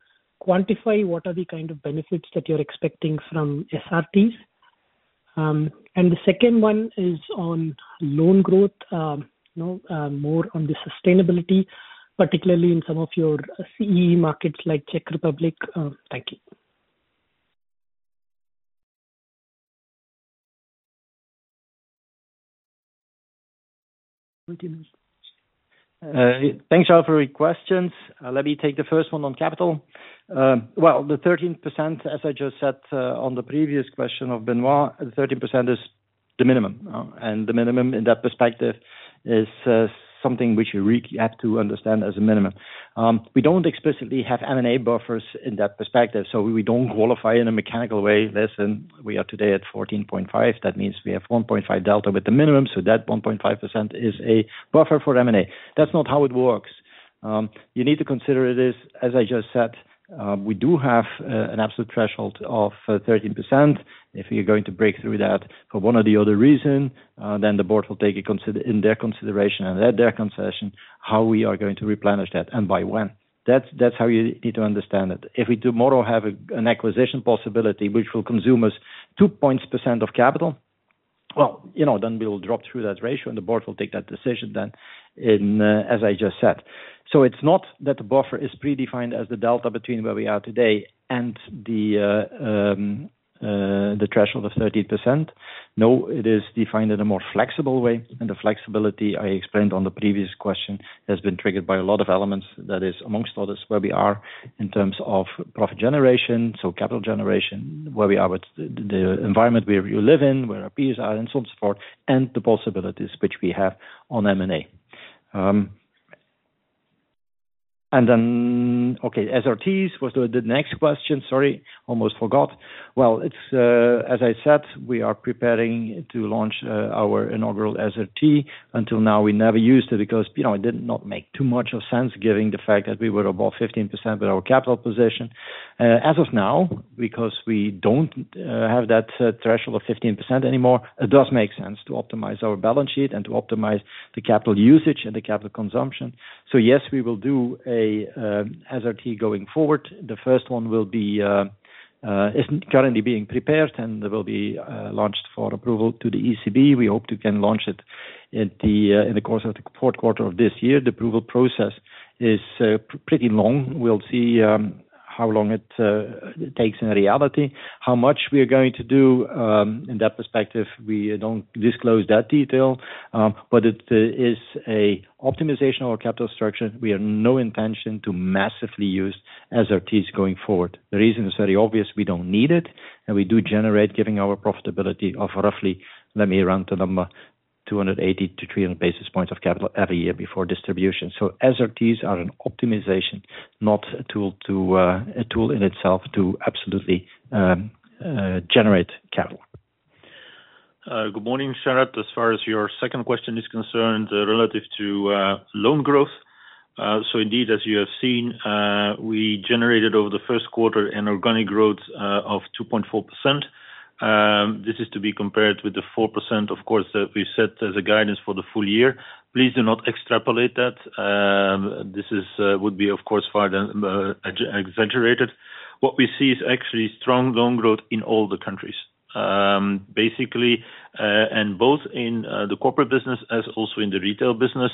quantify what are the kind of benefits that you're expecting from SRTs? The second one is on loan growth, more on the sustainability, particularly in some of your CEE markets like Czech Republic. Thank you. Thanks for your questions. Let me take the first one on capital. The 13%, as I just said on the previous question of Benoît, the 13% is the minimum. The minimum in that perspective is something which you really have to understand as a minimum. We do not explicitly have M&A buffers in that perspective. We do not qualify in a mechanical way. Listen, we are today at 14.5%. That means we have 1.5% delta with the minimum. That 1.5% is a buffer for M&A. That is not how it works. You need to consider it is, as I just said, we do have an absolute threshold of 13%. If you're going to break through that for one or the other reason, then the board will take it in their consideration and at their concession how we are going to replenish that and by when. That's how you need to understand it. If we tomorrow have an acquisition possibility which will consume us 2% of capital, you know, then we'll drop through that ratio and the board will take that decision then, as I just said. It is not that the buffer is predefined as the delta between where we are today and the threshold of 13%. No, it is defined in a more flexible way. The flexibility I explained on the previous question has been triggered by a lot of elements that is, amongst others, where we are in terms of profit generation, so capital generation, where we are with the environment where you live in, where our peers are, and so on and so forth, and the possibilities which we have on M&A. Okay, SRTs was the next question. Sorry, almost forgot. As I said, we are preparing to launch our inaugural SRT. Until now, we never used it because it did not make too much of sense given the fact that we were above 15% with our capital position. As of now, because we do not have that threshold of 15% anymore, it does make sense to optimize our balance sheet and to optimize the capital usage and the capital consumption. Yes, we will do an SRT going forward. The first one is currently being prepared and will be launched for approval to the ECB. We hope to again launch it in the course of the fourth quarter of this year. The approval process is pretty long. We'll see how long it takes in reality. How much we are going to do in that perspective, we don't disclose that detail. It is an optimization of our capital structure. We have no intention to massively use SRTs going forward. The reason is very obvious. We don't need it. We do generate, given our profitability of roughly, let me round the number, 280 basis points-300 basis points of capital every year before distribution. SRTs are an optimization, not a tool in itself to absolutely generate capital. Good morning, Sharath. As far as your second question is concerned relative to loan growth. Indeed, as you have seen, we generated over the first quarter an organic growth of 2.4%. This is to be compared with the 4%, of course, that we set as a guidance for the full year. Please do not extrapolate that. This would be, of course, far exaggerated. What we see is actually strong loan growth in all the countries. Basically, both in the corporate business as also in the retail business,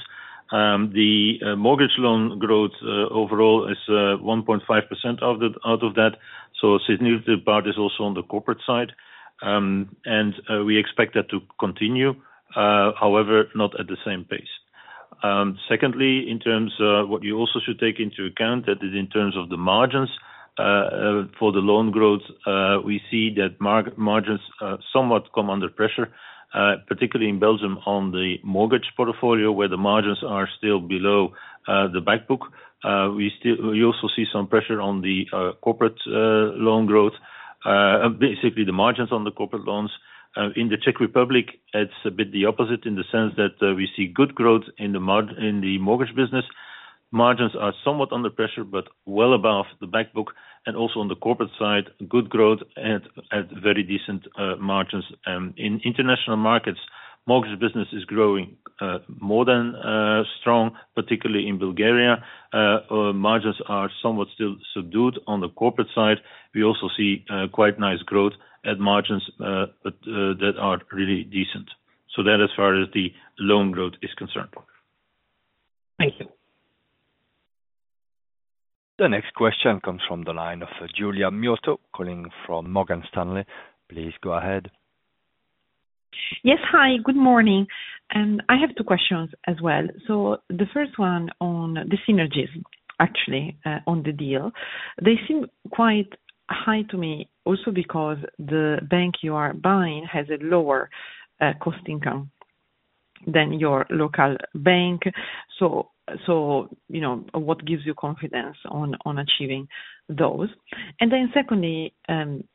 the mortgage loan growth overall is 1.5% out of that. A significant part is also on the corporate side. We expect that to continue, however, not at the same pace. Secondly, in terms of what you also should take into account, that is, in terms of the margins for the loan growth, we see that margins somewhat come under pressure, particularly in Belgium on the mortgage portfolio, where the margins are still below the backbook. We also see some pressure on the corporate loan growth, basically the margins on the corporate loans. In the Czech Republic, it is a bit the opposite in the sense that we see good growth in the mortgage business. Margins are somewhat under pressure, but well above the backbook. Also on the corporate side, good growth at very decent margins. In international markets, mortgage business is growing more than strong, particularly in Bulgaria. Margins are somewhat still subdued on the corporate side. We also see quite nice growth at margins that are really decent. That as far as the loan growth is concerned. Thank you. The next question comes from the line of Julia Mewster calling from Morgan Stanley. Please go ahead. Yes, hi. Good morning. I have two questions as well. The first one on the synergies, actually, on the deal. They seem quite high to me, also because the bank you are buying has a lower cost income than your local bank. What gives you confidence on achieving those? Secondly,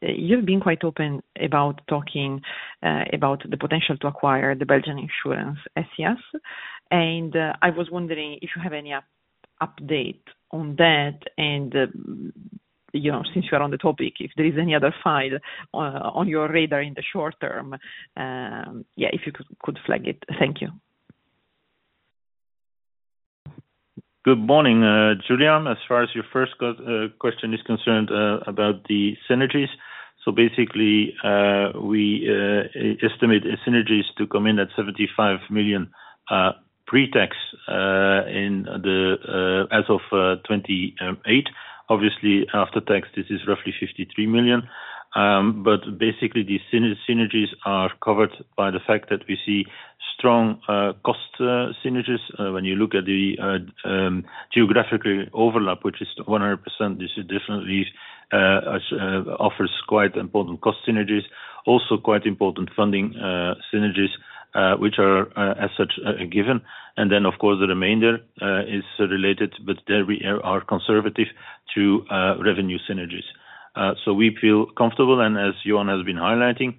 you've been quite open about talking about the potential to acquire the Belgian insurance Ethias. I was wondering if you have any update on that. Since you're on the topic, if there is any other file on your radar in the short term, if you could flag it. Thank you. Good morning, Julia. As far as your first question is concerned about the synergies, basically, we estimate synergies to come in at 75 million pre-tax as of 2028. Obviously, after tax, this is roughly 53 million. Basically, the synergies are covered by the fact that we see strong cost synergies. When you look at the geographical overlap, which is 100%, this definitely offers quite important cost synergies. Also, quite important funding synergies, which are as such given. Of course, the remainder is related, but there we are conservative to revenue synergies. We feel comfortable. As Johan has been highlighting,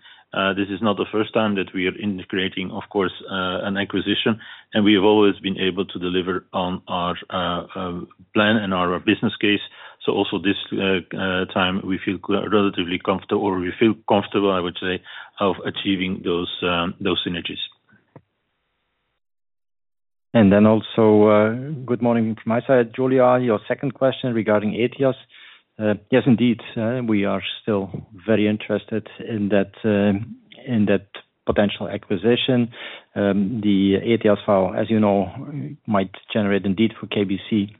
this is not the first time that we are integrating, of course, an acquisition. We have always been able to deliver on our plan and our business case. Also this time, we feel relatively comfortable, or we feel comfortable, I would say, of achieving those synergies. Also, good morning from my side, Julia. Your second question regarding Ethias. Yes, indeed, we are still very interested in that potential acquisition. The Ethias file, as you know, might generate indeed for KBC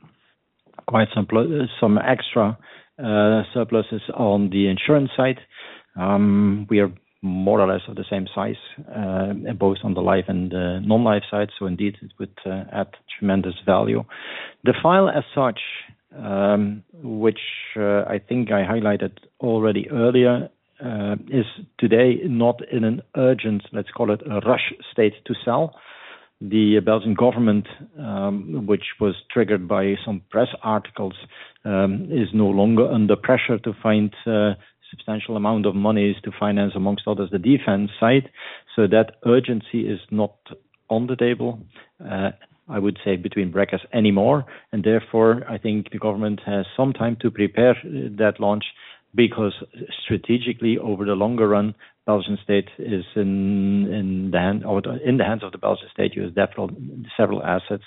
quite some extra surpluses on the insurance side. We are more or less of the same size, both on the life and the non-life side. It would add tremendous value. The file as such, which I think I highlighted already earlier, is today not in an urgent, let's call it a rush state to sell. The Belgian government, which was triggered by some press articles, is no longer under pressure to find a substantial amount of monies to finance, among others, the defense side. That urgency is not on the table, I would say, between brackets anymore. Therefore, I think the government has some time to prepare that launch because strategically, over the longer run, Belgian state is in the hands of the Belgian state. You have several assets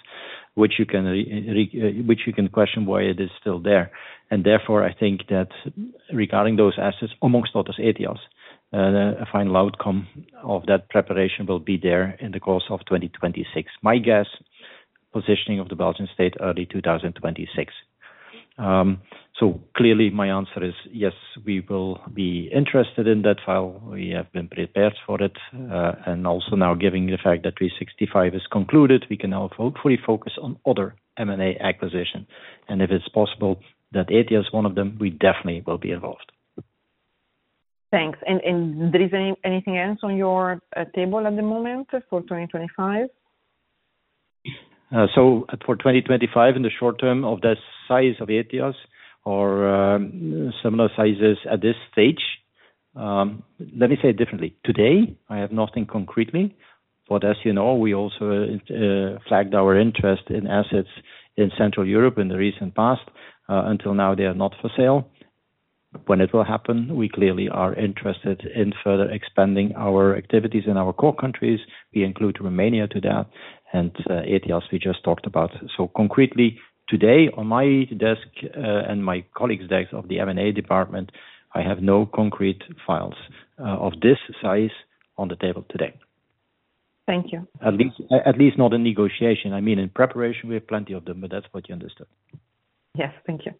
which you can question why it is still there. Therefore, I think that regarding those assets, amongst others, Ethias, a final outcome of that preparation will be there in the course of 2026. My guess, positioning of the Belgian state early 2026. Clearly, my answer is yes, we will be interested in that file. We have been prepared for it. Also now, given the fact that 365 is concluded, we can now hopefully focus on other M&A acquisitions. If it is possible that Ethias is one of them, we definitely will be involved. Thanks. Is there anything else on your table at the moment for 2025? For 2025, in the short term of the size of Ethias or similar sizes at this stage, let me say it differently. Today, I have nothing concretely. As you know, we also flagged our interest in assets in Central Europe in the recent past. Until now, they are not for sale. When it will happen, we clearly are interested in further expanding our activities in our core countries. We include Romania to that and Ethias we just talked about. Concretely, today on my desk and my colleagues' desks of the M&A department, I have no concrete files of this size on the table today. Thank you. At least not in negotiation. I mean, in preparation, we have plenty of them, but that's what you understood. Yes, thank you.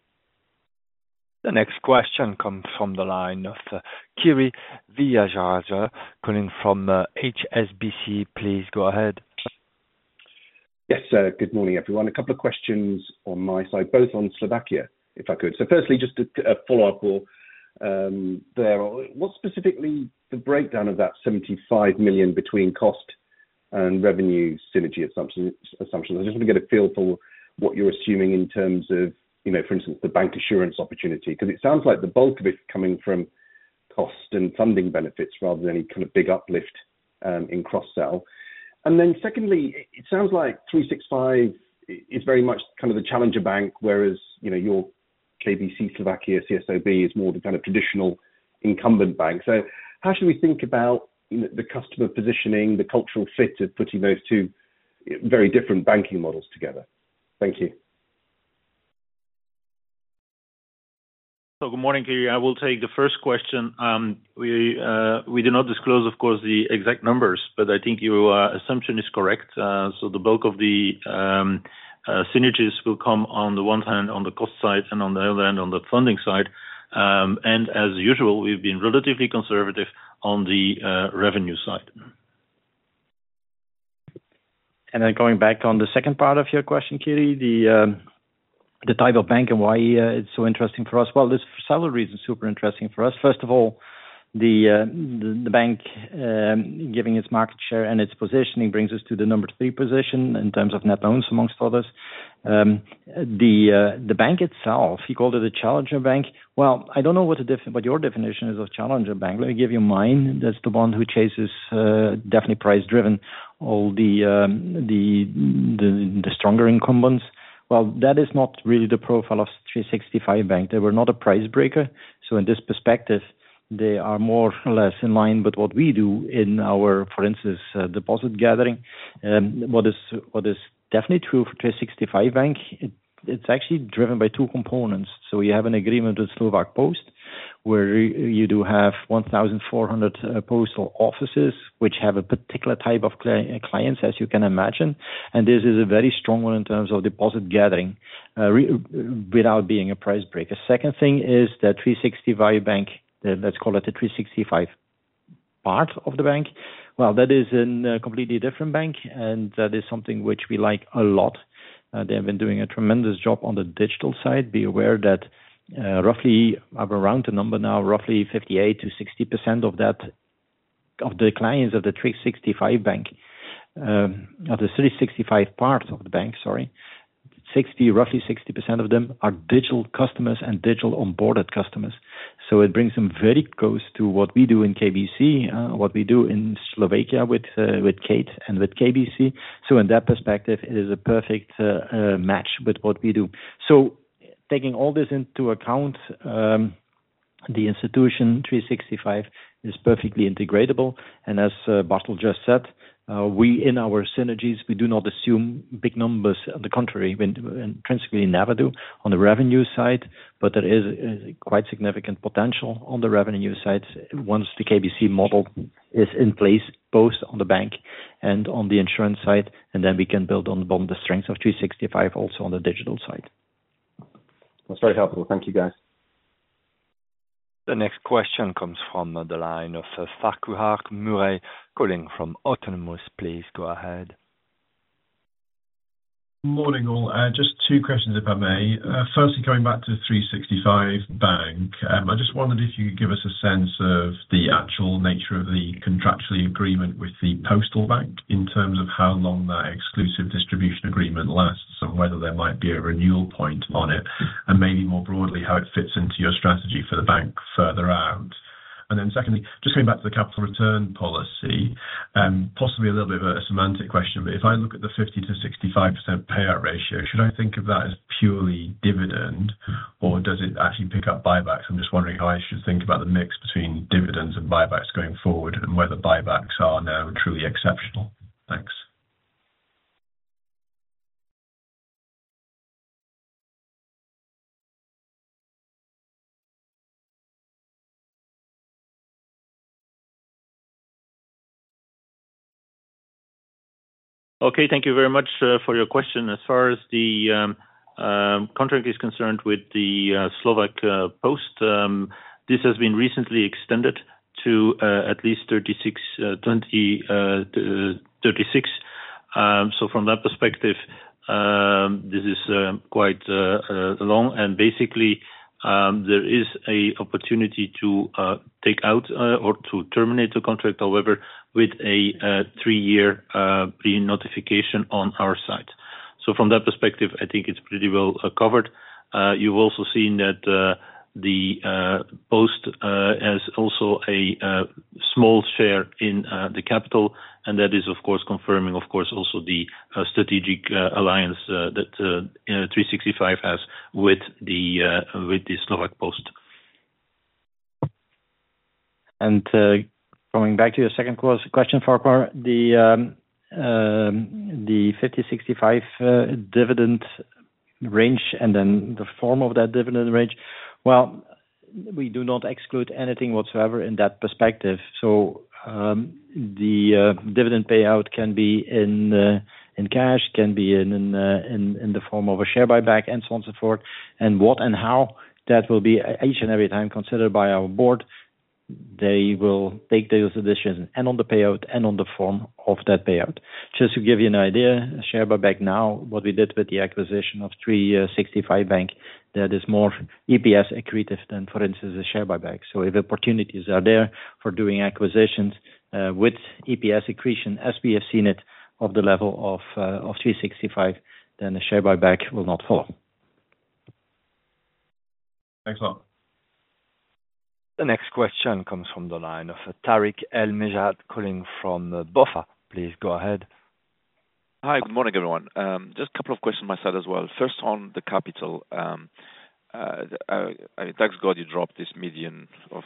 The next question comes from the line of Kyri Viajarza calling from HSBC. Please go ahead. Yes, good morning, everyone. A couple of questions on my side, both on Slovakia, if I could. Firstly, just a follow-up there. What specifically the breakdown of that 75 million between cost and revenue synergy assumptions? I just want to get a feel for what you're assuming in terms of, for instance, the bank assurance opportunity. Because it sounds like the bulk of it's coming from cost and funding benefits rather than any kind of big uplift in cross-sell. Secondly, it sounds like 365 is very much kind of the challenger bank, whereas your KBC Slovakia ČSOB is more the kind of traditional incumbent bank. How should we think about the customer positioning, the cultural fit of putting those two very different banking models together? Thank you. Good morning, Kyri. I will take the first question. We do not disclose, of course, the exact numbers, but I think your assumption is correct. The bulk of the synergies will come on the one hand on the cost side and on the other hand on the funding side. As usual, we have been relatively conservative on the revenue side. Going back on the second part of your question, Kyri, the title of bank and why it is so interesting for us. There are several reasons it is super interesting for us. First of all, the bank, given its market share and its positioning, brings us to the number three position in terms of net loans, among others. The bank itself, you called it a challenger bank. I do not know what your definition is of challenger bank. Let me give you mine. That is the one who chases, definitely price-driven, all the stronger incumbents. That is not really the profile of 365.bank. They were not a price breaker. In this perspective, they are more or less in line with what we do in our, for instance, deposit gathering. What is definitely true for 365.bank, it is actually driven by two components. You have an agreement with Slovak Post where you do have 1,400 postal offices which have a particular type of clients, as you can imagine. This is a very strong one in terms of deposit gathering without being a price break. A second thing is that 365.bank, let us call it the 365 part of the bank. That is a completely different bank, and that is something which we like a lot. They have been doing a tremendous job on the digital side. Be aware that roughly around the number now, roughly 58%-60% of the clients of 365.bank, of the 365 part of the bank, sorry, roughly 60% of them are digital customers and digital onboarded customers. It brings them very close to what we do in KBC, what we do in Slovakia with Kate and with KBC. In that perspective, it is a perfect match with what we do. Taking all this into account, the institution 365 is perfectly integrable. As Bartel just said, in our synergies, we do not assume big numbers. On the contrary, we intrinsically never do on the revenue side, but there is quite significant potential on the revenue side once the KBC model is in place, both on the bank and on the insurance side. We can build on the strength of 365 also on the digital side. That's very helpful. Thank you, guys. The next question comes from the line of Farquhar Murray calling from Autonomous. Please go ahead. Morning, all. Just two questions, if I may. Firstly, coming back to 365.bank, I just wondered if you could give us a sense of the actual nature of the contractual agreement with the postal bank in terms of how long that exclusive distribution agreement lasts and whether there might be a renewal point on it, and maybe more broadly, how it fits into your strategy for the bank further out. Secondly, just coming back to the capital return policy, possibly a little bit of a semantic question, but if I look at the 50%-65% payout ratio, should I think of that as purely dividend, or does it actually pick up buybacks? I'm just wondering how I should think about the mix between dividends and buybacks going forward and whether buybacks are now truly exceptional. Thanks. Okay, thank you very much for your question. As far as the contract is concerned with the Slovak Post, this has been recently extended to at least 2036. From that perspective, this is quite long. Basically, there is an opportunity to take out or to terminate the contract, however, with a three-year pre-notification on our side. From that perspective, I think it's pretty well covered. You've also seen that the Post has also a small share in the capital, and that is, of course, confirming, of course, also the strategic alliance that 365.bank has with the Slovak Post. Coming back to your second question, Farquhar, the 50%-65% dividend range and then the form of that dividend range, we do not exclude anything whatsoever in that perspective. The dividend payout can be in cash, can be in the form of a share buyback, and so on and so forth. What and how that will be each and every time considered by our board, they will take those decisions and on the payout and on the form of that payout. Just to give you an idea, share buyback now, what we did with the acquisition of 365.bank, that is more EPS accretive than, for instance, a share buyback. If opportunities are there for doing acquisitions with EPS accretion as we have seen it of the level of 365, then a share buyback will not follow. Thanks a lot. The next question comes from the line of Tarik El Mejjad calling from BofA. Please go ahead. Hi, good morning, everyone. Just a couple of questions on my side as well. First, on the capital, I mean, thanks, God, you dropped this median of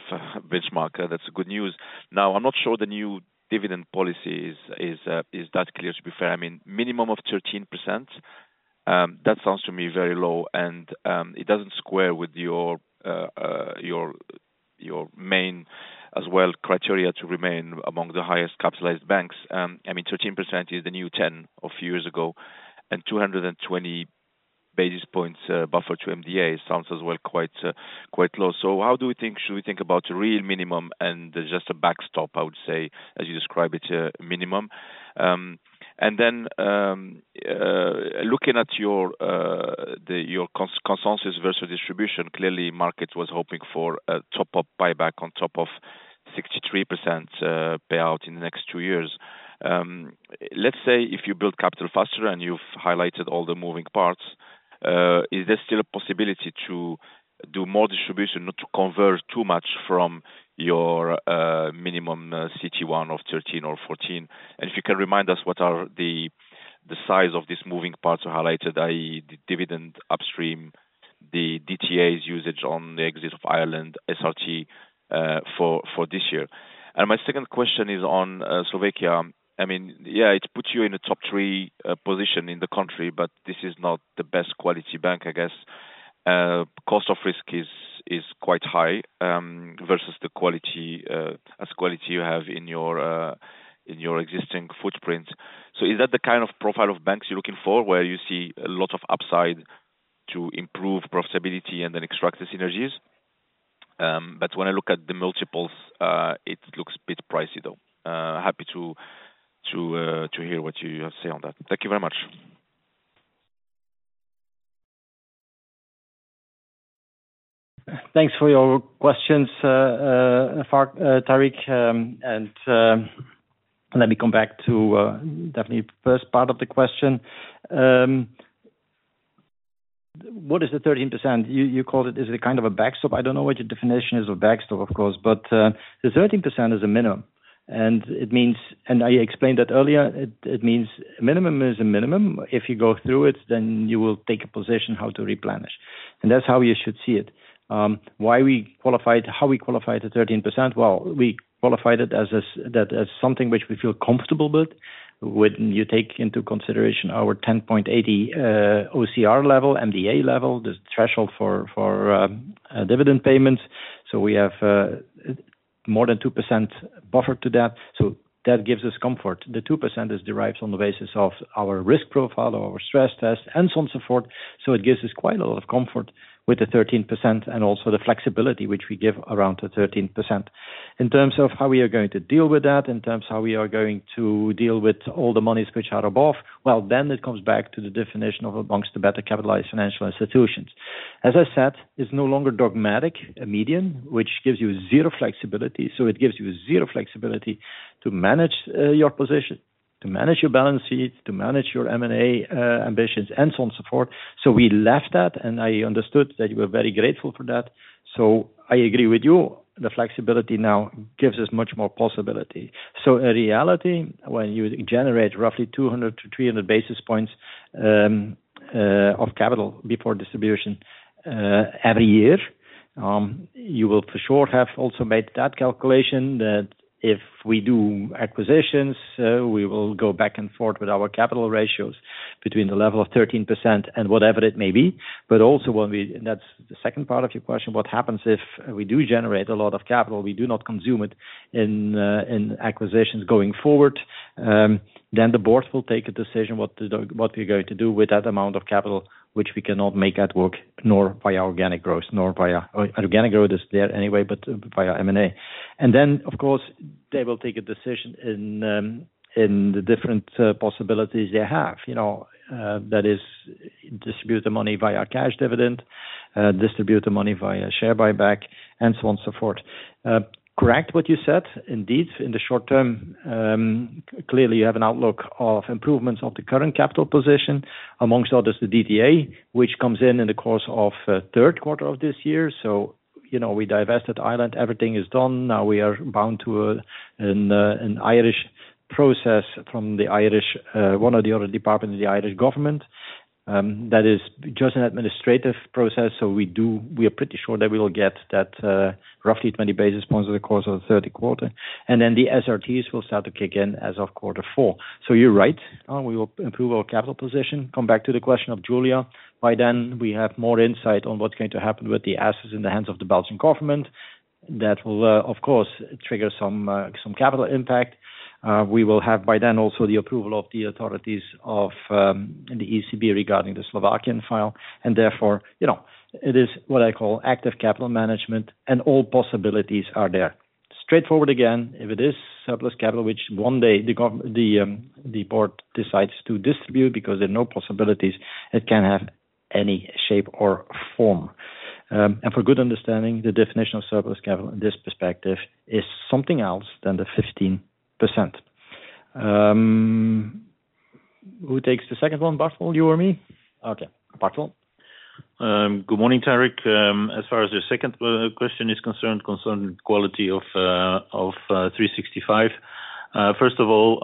benchmark. That is good news. Now, I'm not sure the new dividend policy is that clear, to be fair. I mean, minimum of 13%, that sounds to me very low, and it doesn't square with your main as well criteria to remain among the highest capitalized banks. I mean, 13% is the new 10 of years ago, and 220 basis points buffer to MDA sounds as well quite low. How do we think, should we think about a real minimum and just a backstop, I would say, as you describe it, minimum? Then looking at your consensus versus distribution, clearly, market was hoping for a top-up buyback on top of 63% payout in the next two years. Let's say if you build capital faster and you've highlighted all the moving parts, is there still a possibility to do more distribution, not to convert too much from your minimum CET1 of 13% or 14%? If you can remind us what are the size of these moving parts you highlighted, i.e., the dividend upstream, the DTA usage on the exit of Ireland, SRT for this year. My second question is on Slovakia. I mean, yeah, it puts you in a top three position in the country, but this is not the best quality bank, I guess. Cost of risk is quite high versus the quality you have in your existing footprint. Is that the kind of profile of banks you're looking for where you see a lot of upside to improve profitability and then extract the synergies? When I look at the multiples, it looks a bit pricey, though. Happy to hear what you say on that. Thank you very much. Thanks for your questions, Tarik. Let me come back to definitely the first part of the question. What is the 13%? You called it, is it a kind of a backstop? I do not know what your definition is of backstop, of course, but the 13% is a minimum. I explained that earlier. It means a minimum is a minimum. If you go through it, then you will take a position how to replenish. That is how you should see it. Why we qualified, how we qualified the 13%? We qualified it as something which we feel comfortable with when you take into consideration our 10.80% OCR level, MDA level, the threshold for dividend payments. We have more than 2% buffer to that. That gives us comfort. The 2% is derived on the basis of our risk profile, our stress test, and so on and so forth. It gives us quite a lot of comfort with the 13% and also the flexibility which we give around the 13%. In terms of how we are going to deal with that, in terms of how we are going to deal with all the monies which are above, it comes back to the definition of amongst the better capitalized financial institutions. As I said, it is no longer dogmatic, a median, which gives you zero flexibility. It gives you zero flexibility to manage your position, to manage your balance sheet, to manage your M&A ambitions, and so on and so forth. We left that, and I understood that you were very grateful for that. I agree with you. The flexibility now gives us much more possibility. In reality, when you generate roughly 200 basis points-300 basis points of capital before distribution every year, you will for sure have also made that calculation that if we do acquisitions, we will go back and forth with our capital ratios between the level of 13% and whatever it may be. Also, when we, and that is the second part of your question, what happens if we do generate a lot of capital, we do not consume it in acquisitions going forward, then the board will take a decision what we are going to do with that amount of capital, which we cannot make at work, nor via organic growth, nor via organic growth is there anyway, but via M&A. Of course, they will take a decision in the different possibilities they have. That is, distribute the money via cash dividend, distribute the money via share buyback, and so on and so forth. Correct what you said. Indeed, in the short term, clearly, you have an outlook of improvements of the current capital position, amongst others, the DTA, which comes in in the course of the third quarter of this year. We divested Ireland. Everything is done. Now we are bound to an Irish process from the Irish, one of the other departments of the Irish government. That is just an administrative process. We are pretty sure that we will get that roughly 20 basis points over the course of the third quarter. The SRTs will start to kick in as of quarter four. You are right. We will improve our capital position. Come back to the question of Julia. By then, we have more insight on what is going to happen with the assets in the hands of the Belgian government. That will, of course, trigger some capital impact. We will have by then also the approval of the authorities of the ECB regarding the Slovakian file. Therefore, it is what I call active capital management, and all possibilities are there. Straightforward again, if it is surplus capital, which one day the board decides to distribute because there are no possibilities, it can have any shape or form. For good understanding, the definition of surplus capital in this perspective is something else than the 15%. Who takes the second one, Bartel, you or me? Okay. Bartel. Good morning, Tarik. As far as your second question is concerned, concerning quality of 365, first of all,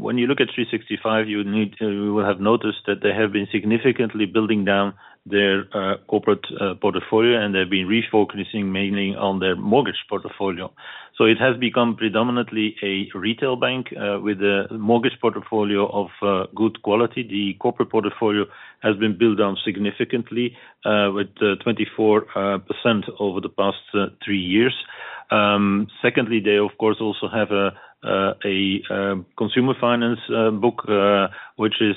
when you look at 365, you will have noticed that they have been significantly building down their corporate portfolio, and they have been refocusing mainly on their mortgage portfolio. It has become predominantly a retail bank with a mortgage portfolio of good quality. The corporate portfolio has been built down significantly with 24% over the past three years. Secondly, they, of course, also have a consumer finance book, which is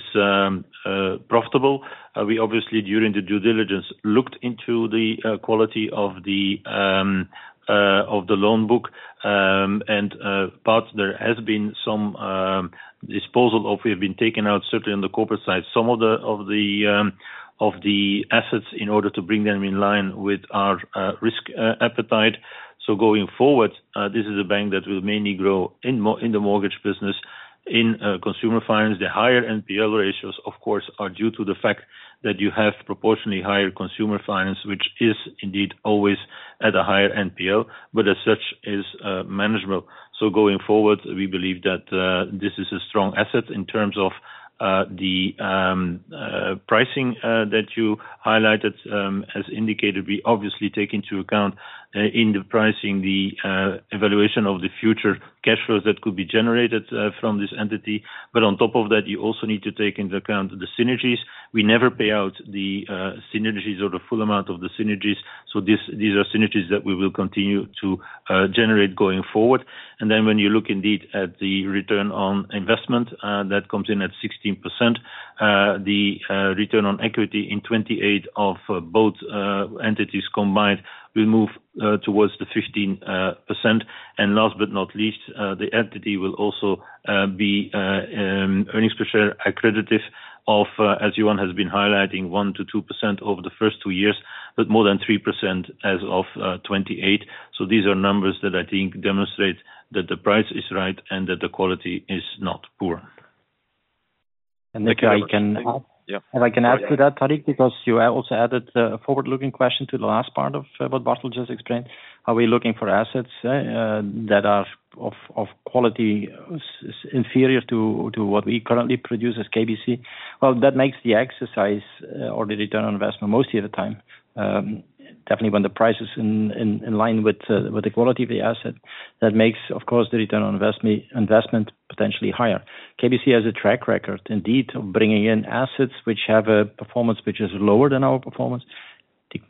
profitable. We, obviously, during the due diligence, looked into the quality of the loan book. In parts, there has been some disposal of, we have been taking out, certainly on the corporate side, some of the assets in order to bring them in line with our risk appetite. Going forward, this is a bank that will mainly grow in the mortgage business, in consumer finance. The higher NPL ratios, of course, are due to the fact that you have proportionally higher consumer finance, which is indeed always at a higher NPL, but as such is manageable. Going forward, we believe that this is a strong asset in terms of the pricing that you highlighted as indicated. We, obviously, take into account in the pricing the evaluation of the future cash flows that could be generated from this entity. On top of that, you also need to take into account the synergies. We never pay out the synergies or the full amount of the synergies. These are synergies that we will continue to generate going forward. When you look indeed at the return on investment that comes in at 16%, the return on equity in 2028 of both entities combined will move towards the 15%. Last but not least, the entity will also be earnings per share accretive of, as Johan has been highlighting, 1%-2% over the first two years, but more than 3% as of 2028. These are numbers that I think demonstrate that the price is right and that the quality is not poor. If I can add to that, Tarik, because you also added a forward-looking question to the last part of what Bartel just explained, how we're looking for assets that are of quality inferior to what we currently produce as KBC. That makes the exercise or the return on investment mostly at a time, definitely when the price is in line with the quality of the asset. That makes, of course, the return on investment potentially higher. KBC has a track record indeed of bringing in assets which have a performance which is lower than our performance.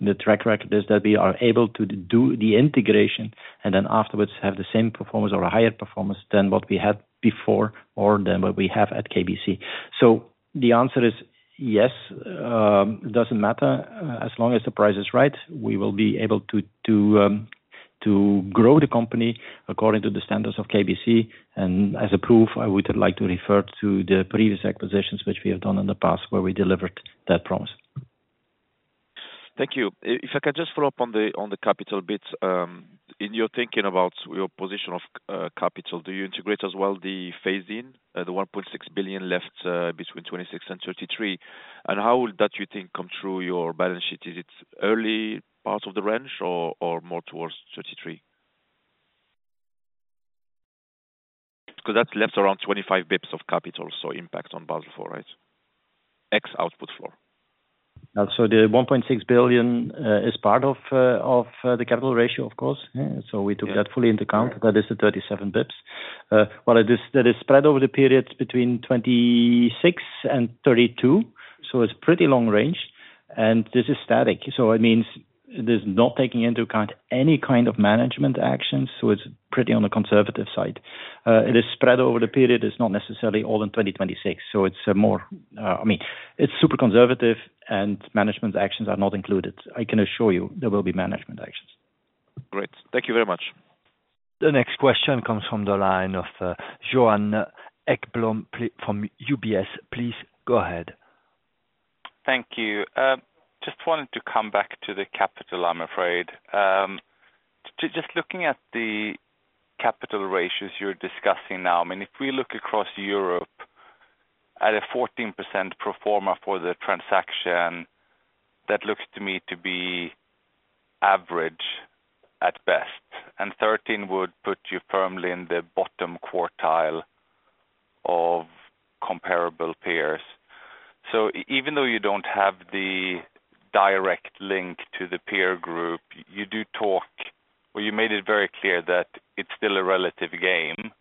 The track record is that we are able to do the integration and then afterwards have the same performance or a higher performance than what we had before or than what we have at KBC. The answer is yes. It does not matter. As long as the price is right, we will be able to grow the company according to the standards of KBC. As a proof, I would like to refer to the previous acquisitions which we have done in the past where we delivered that promise. Thank you. If I can just follow up on the capital bit. In your thinking about your position of capital, do you integrate as well the phase-in, the 1.6 billion left between 2026 and 2033? And how would that, you think, come through your balance sheet? Is it early part of the range or more towards 2033? Because that is left around 25 basis points of capital, so impact on Basel IV, right? X output floor. So, the 1.6 billion is part of the capital ratio, of course. So, we took that fully into account. That is the 37 basis points. That is spread over the period between 2026 and 2032. It is a pretty long range. This is static. It means it is not taking into account any kind of management actions. It is pretty on the conservative side. It is spread over the period. It is not necessarily all in 2026. So, it's a more, I mean, it's super conservative and management actions are not included. I can assure you there will be management actions. Great. Thank you very much. The next question comes from the line of Johan Ekblom from UBS. Please go ahead. Thank you. Just wanted to come back to the capital, I'm afraid. Just looking at the capital ratios you're discussing now, I mean, if we look across Europe at a 14% performer for the transaction, that looks to me to be average at best. And 13% would put you firmly in the bottom quartile of comparable peers. So, even though you do not have the direct link to the peer group, you do talk, or you made it very clear that it's still a relative game.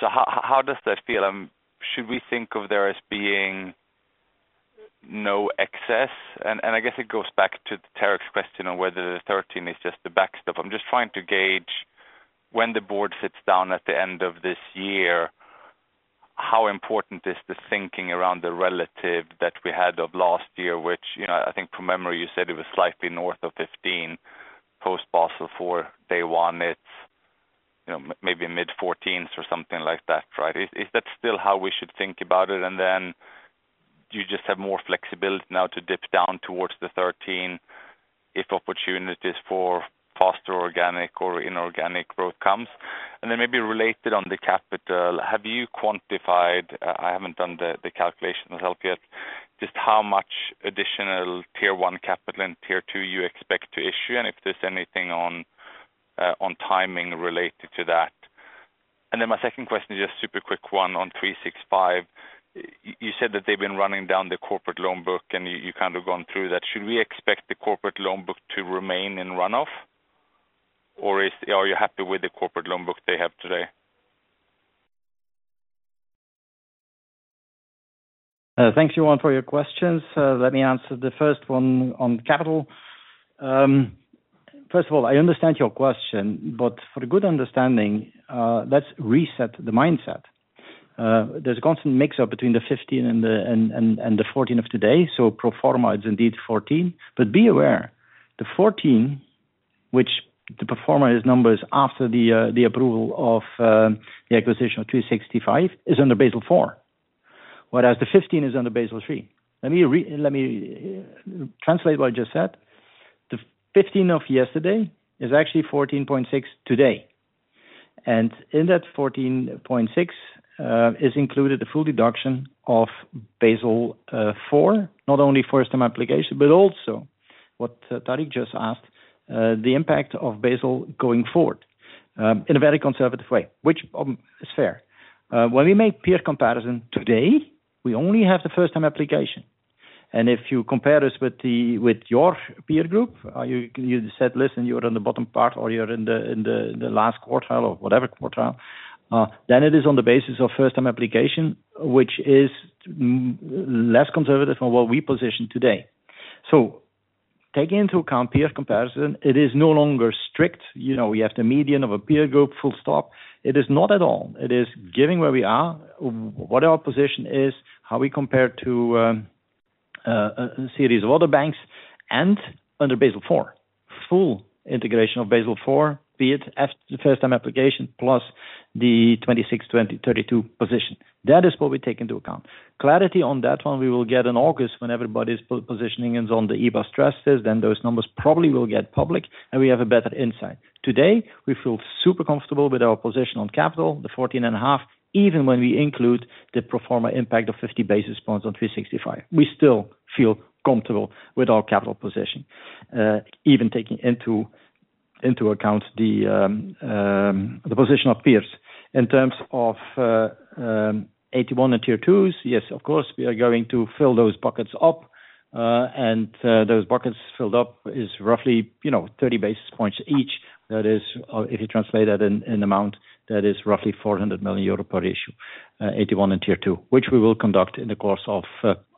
So, how does that feel? Should we think of there as being no excess? I guess it goes back to Tarik's question on whether the 13% is just the backstop. I'm just trying to gauge when the board sits down at the end of this year, how important is the thinking around the relative that we had of last year, which I think from memory you said it was slightly north of 15% post Basel IV day one, it's maybe mid-14s or something like that, right? Is that still how we should think about it? You just have more flexibility now to dip down towards the 13% if opportunities for faster organic or inorganic growth comes. Maybe related on the capital, have you quantified, I haven't done the calculation myself yet, just how much additional tier one capital and tier two you expect to issue and if there's anything on timing related to that? Then my second question is just a super quick one on 365. You said that they've been running down the corporate loan book and you've kind of gone through that. Should we expect the corporate loan book to remain in runoff? Or are you happy with the corporate loan book they have today? Thanks, Johan, for your questions. Let me answer the first one on capital. First of all, I understand your question, but for good understanding, let's reset the mindset. There's a constant mix-up between the 15% and the 14% of today. Pro forma, it's indeed 14%. Be aware, the 14%, which the pro forma is numbers after the approval of the acquisition of 365, is under Basel IV, whereas the 15% is under Basel III. Let me translate what I just said. The 15% of yesterday is actually 14.6% today. In that 14.6% is included the full deduction of Basel IV, not only first-time application, but also what Tarik just asked, the impact of Basel going forward in a very conservative way, which is fair. When we make peer comparison today, we only have the first-time application. If you compare this with your peer group, you said, "Listen, you're in the bottom part or you're in the last quartile or whatever quartile," then it is on the basis of first-time application, which is less conservative from what we position today. Taking into account peer comparison, it is no longer strict. We have the median of a peer group, full stop. It is not at all. It is giving where we are, what our position is, how we compare to a series of other banks, and under Basel IV, full integration of Basel IV, be it the first-time application plus the 26%, 20%, 32% position. That is what we take into account. Clarity on that one, we will get in August when everybody's positioning is on the EBA stress test. Then those numbers probably will get public and we have a better insight. Today, we feel super comfortable with our position on capital, the 14.5%, even when we include the pro forma impact of 50 basis points on 365. We still feel comfortable with our capital position, even taking into account the position of peers. In terms of AT1 and tier twos, yes, of course, we are going to fill those buckets up. And those buckets filled up is roughly 30 basis points each. That is, if you translate that in amount, that is roughly 400 million euro per issue, AT1 and Tier 2, which we will conduct in the course of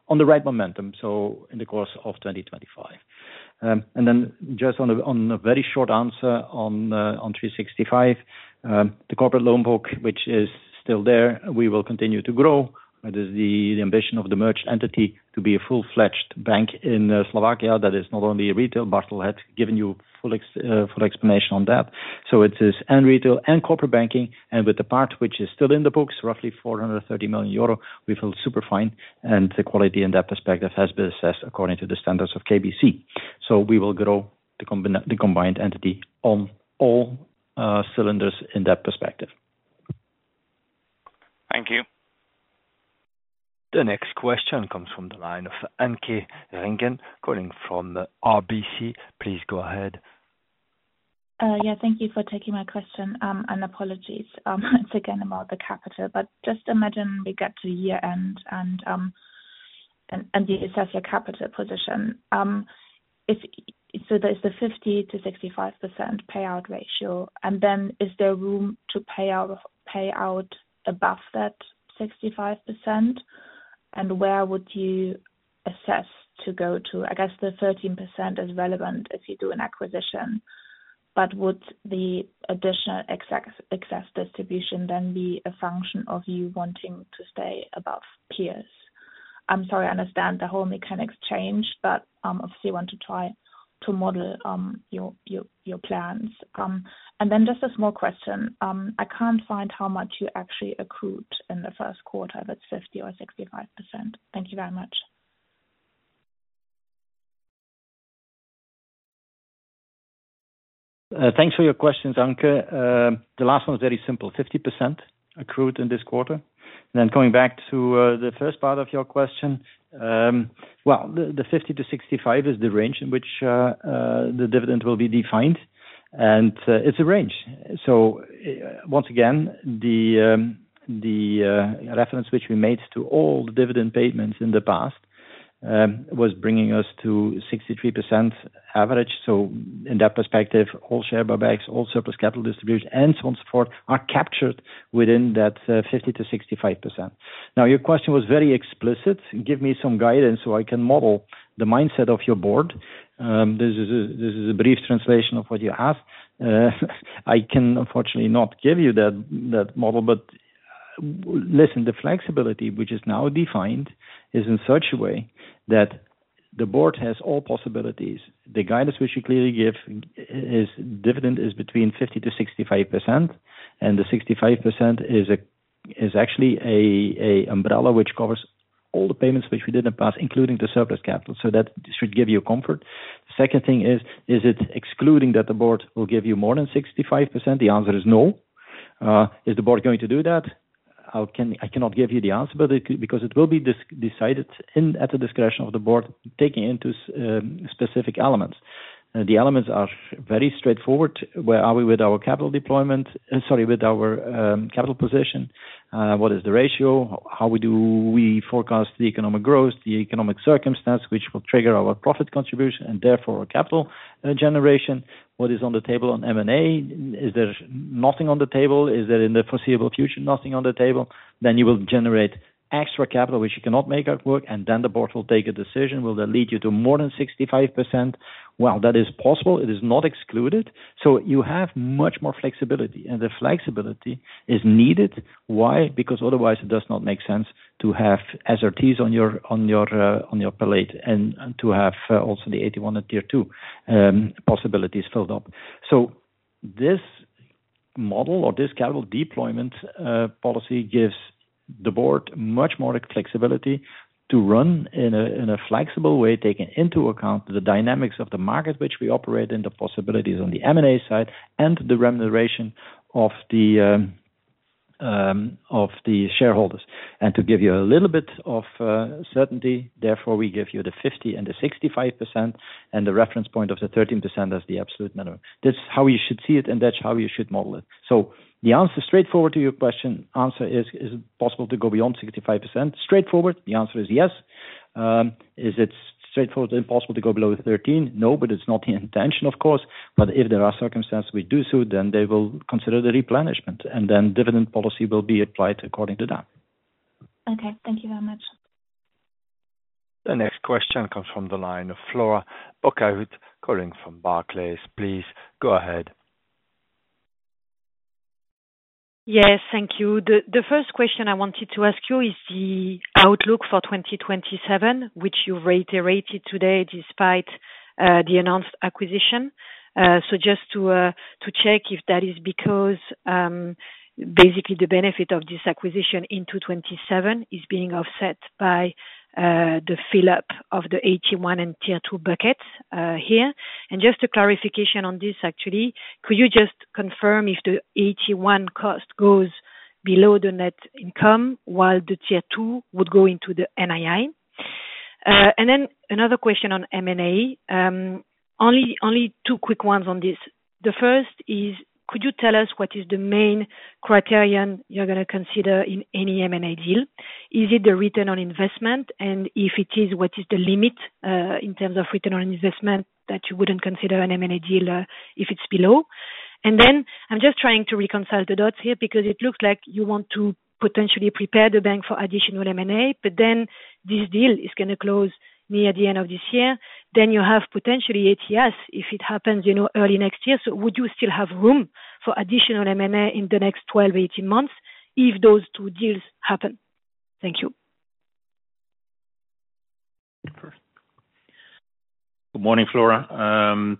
on the right momentum, so in the course of 2025. Then just on a very short answer on 365, the corporate loan book, which is still there, we will continue to grow. That is the ambition of the merchant entity to be a full-fledged bank in Slovakia that is not only a retail. Bartel had given you full explanation on that. It is retail and corporate banking. With the part which is still in the books, roughly 430 million euro, we feel super fine. The quality in that perspective has been assessed according to the standards of KBC. We will grow the combined entity on all cylinders in that perspective. Thank you. The next question comes from the line of Anke Reingen calling from RBC. Please go ahead. Yeah, thank you for taking my question. And apologies. It's again about the capital. But just imagine we get to year-end and you assess your capital position. So, there's the 50%-65% payout ratio. And then is there room to pay out above that 65%? And where would you assess to go to? I guess the 13% is relevant if you do an acquisition. But would the additional excess distribution then be a function of you wanting to stay above peers? I'm sorry, I understand the whole mechanics change, but obviously, I want to try to model your plans. And then just a small question. I can't find how much you actually accrued in the first quarter, if it's 50% or 65%. Thank you very much. Thanks for your questions, Anke. The last one is very simple. 50% accrued in this quarter. Coming back to the first part of your question, the 50%-65% is the range in which the dividend will be defined. It is a range. Once again, the reference which we made to all the dividend payments in the past was bringing us to 63% average. In that perspective, all share buybacks, all surplus capital distribution, and so on and so forth are captured within that 50%-65%. Your question was very explicit. Give me some guidance so I can model the mindset of your board. This is a brief translation of what you asked. I can, unfortunately, not give you that model. Listen, the flexibility, which is now defined, is in such a way that the board has all possibilities. The guidance which you clearly give is dividend is between 50% to 65%, and the 65% is actually an umbrella which covers all the payments which we did in the past, including the surplus capital. That should give you comfort. The second thing is, is it excluding that the board will give you more than 65%? The answer is no. Is the board going to do that? I cannot give you the answer because it will be decided at the discretion of the board, taking into specific elements. The elements are very straightforward. Where are we with our capital deployment? Sorry, with our capital position? What is the ratio? How do we forecast the economic growth, the economic circumstance which will trigger our profit contribution and therefore our capital generation? What is on the table on M&A? Is there nothing on the table? Is there in the foreseeable future nothing on the table? You will generate extra capital which you cannot make at work, and the board will take a decision. Will that lead you to more than 65%? That is possible. It is not excluded. You have much more flexibility. The flexibility is needed. Why? Because otherwise, it does not make sense to have SRTs on your plate and to have also the AT1 and tier two possibilities filled up. This model or this capital deployment policy gives the board much more flexibility to run in a flexible way, taking into account the dynamics of the market which we operate in, the possibilities on the M&A side, and the remuneration of the shareholders. To give you a little bit of certainty, therefore, we give you the 50% and the 65%, and the reference point of the 13% as the absolute minimum. This is how you should see it, and that is how you should model it. The answer straightforward to your question is, is it possible to go beyond 65%? Straightforward, the answer is yes. Is it straightforward and possible to go below 13%? No, but it is not the intention, of course. If there are circumstances we do see, then they will consider the replenishment, and then dividend policy will be applied according to that. Okay. Thank you very much. The next question comes from the line of Flora Okoth calling from Barclays. Please go ahead. Yes, thank you. The first question I wanted to ask you is the outlook for 2027, which you've reiterated today despite the announced acquisition. Just to check if that is because basically the benefit of this acquisition into 2027 is being offset by the fill-up of the AT1 and Tier 2 buckets here. Just a clarification on this, actually, could you just confirm if the AT1 cost goes below the net income while the Tier 2 would go into the NII? Another question on M&A. Only two quick ones on this. The first is, could you tell us what is the main criterion you're going to consider in any M&A deal? Is it the return on investment? If it is, what is the limit in terms of return on investment that you wouldn't consider an M&A deal if it's below? I'm just trying to reconcile the dots here because it looks like you want to potentially prepare the bank for additional M&A, but this deal is going to close near the end of this year. You have potentially Ethias if it happens early next year. Would you still have room for additional M&A in the next 12-18 months if those two deals happen? Thank you. Good morning, Flora.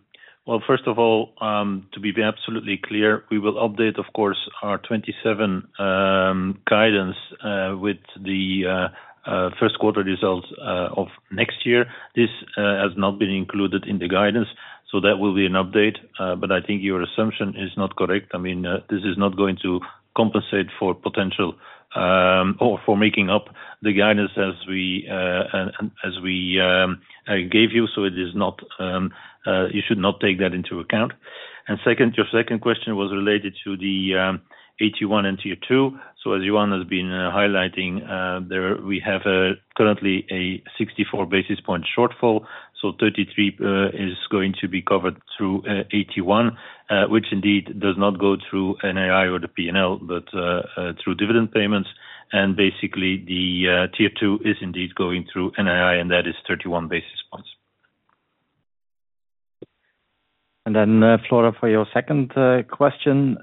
First of all, to be absolutely clear, we will update, of course, our 2027 guidance with the first quarter results of next year. This has not been included in the guidance, so that will be an update. I think your assumption is not correct. I mean, this is not going to compensate for potential or for making up the guidance as we gave you. You should not take that into account. Second, your second question was related to the AT1 and Tier 2. As Johan has been highlighting, we have currently a 64 basis point shortfall. Thirty-three is going to be covered through AT1, which indeed does not go through NII or the P&L, but through dividend payments. Basically, the Tier 2 is indeed going through NII, and that is 31 basis points. Flora, for your second question,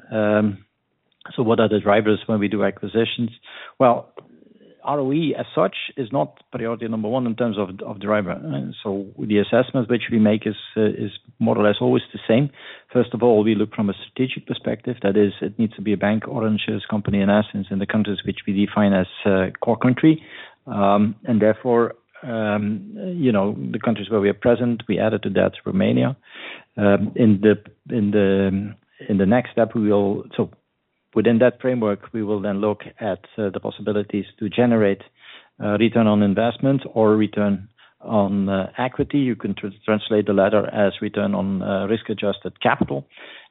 what are the drivers when we do acquisitions? ROE as such is not priority number one in terms of driver. The assessment which we make is more or less always the same. First of all, we look from a strategic perspective. That is, it needs to be a bank or a shares company in essence in the countries which we define as core country. Therefore, the countries where we are present, we added to that Romania. In the next step, we will, so within that framework, we will then look at the possibilities to generate return on investment or return on equity. You can translate the latter as return on risk-adjusted capital.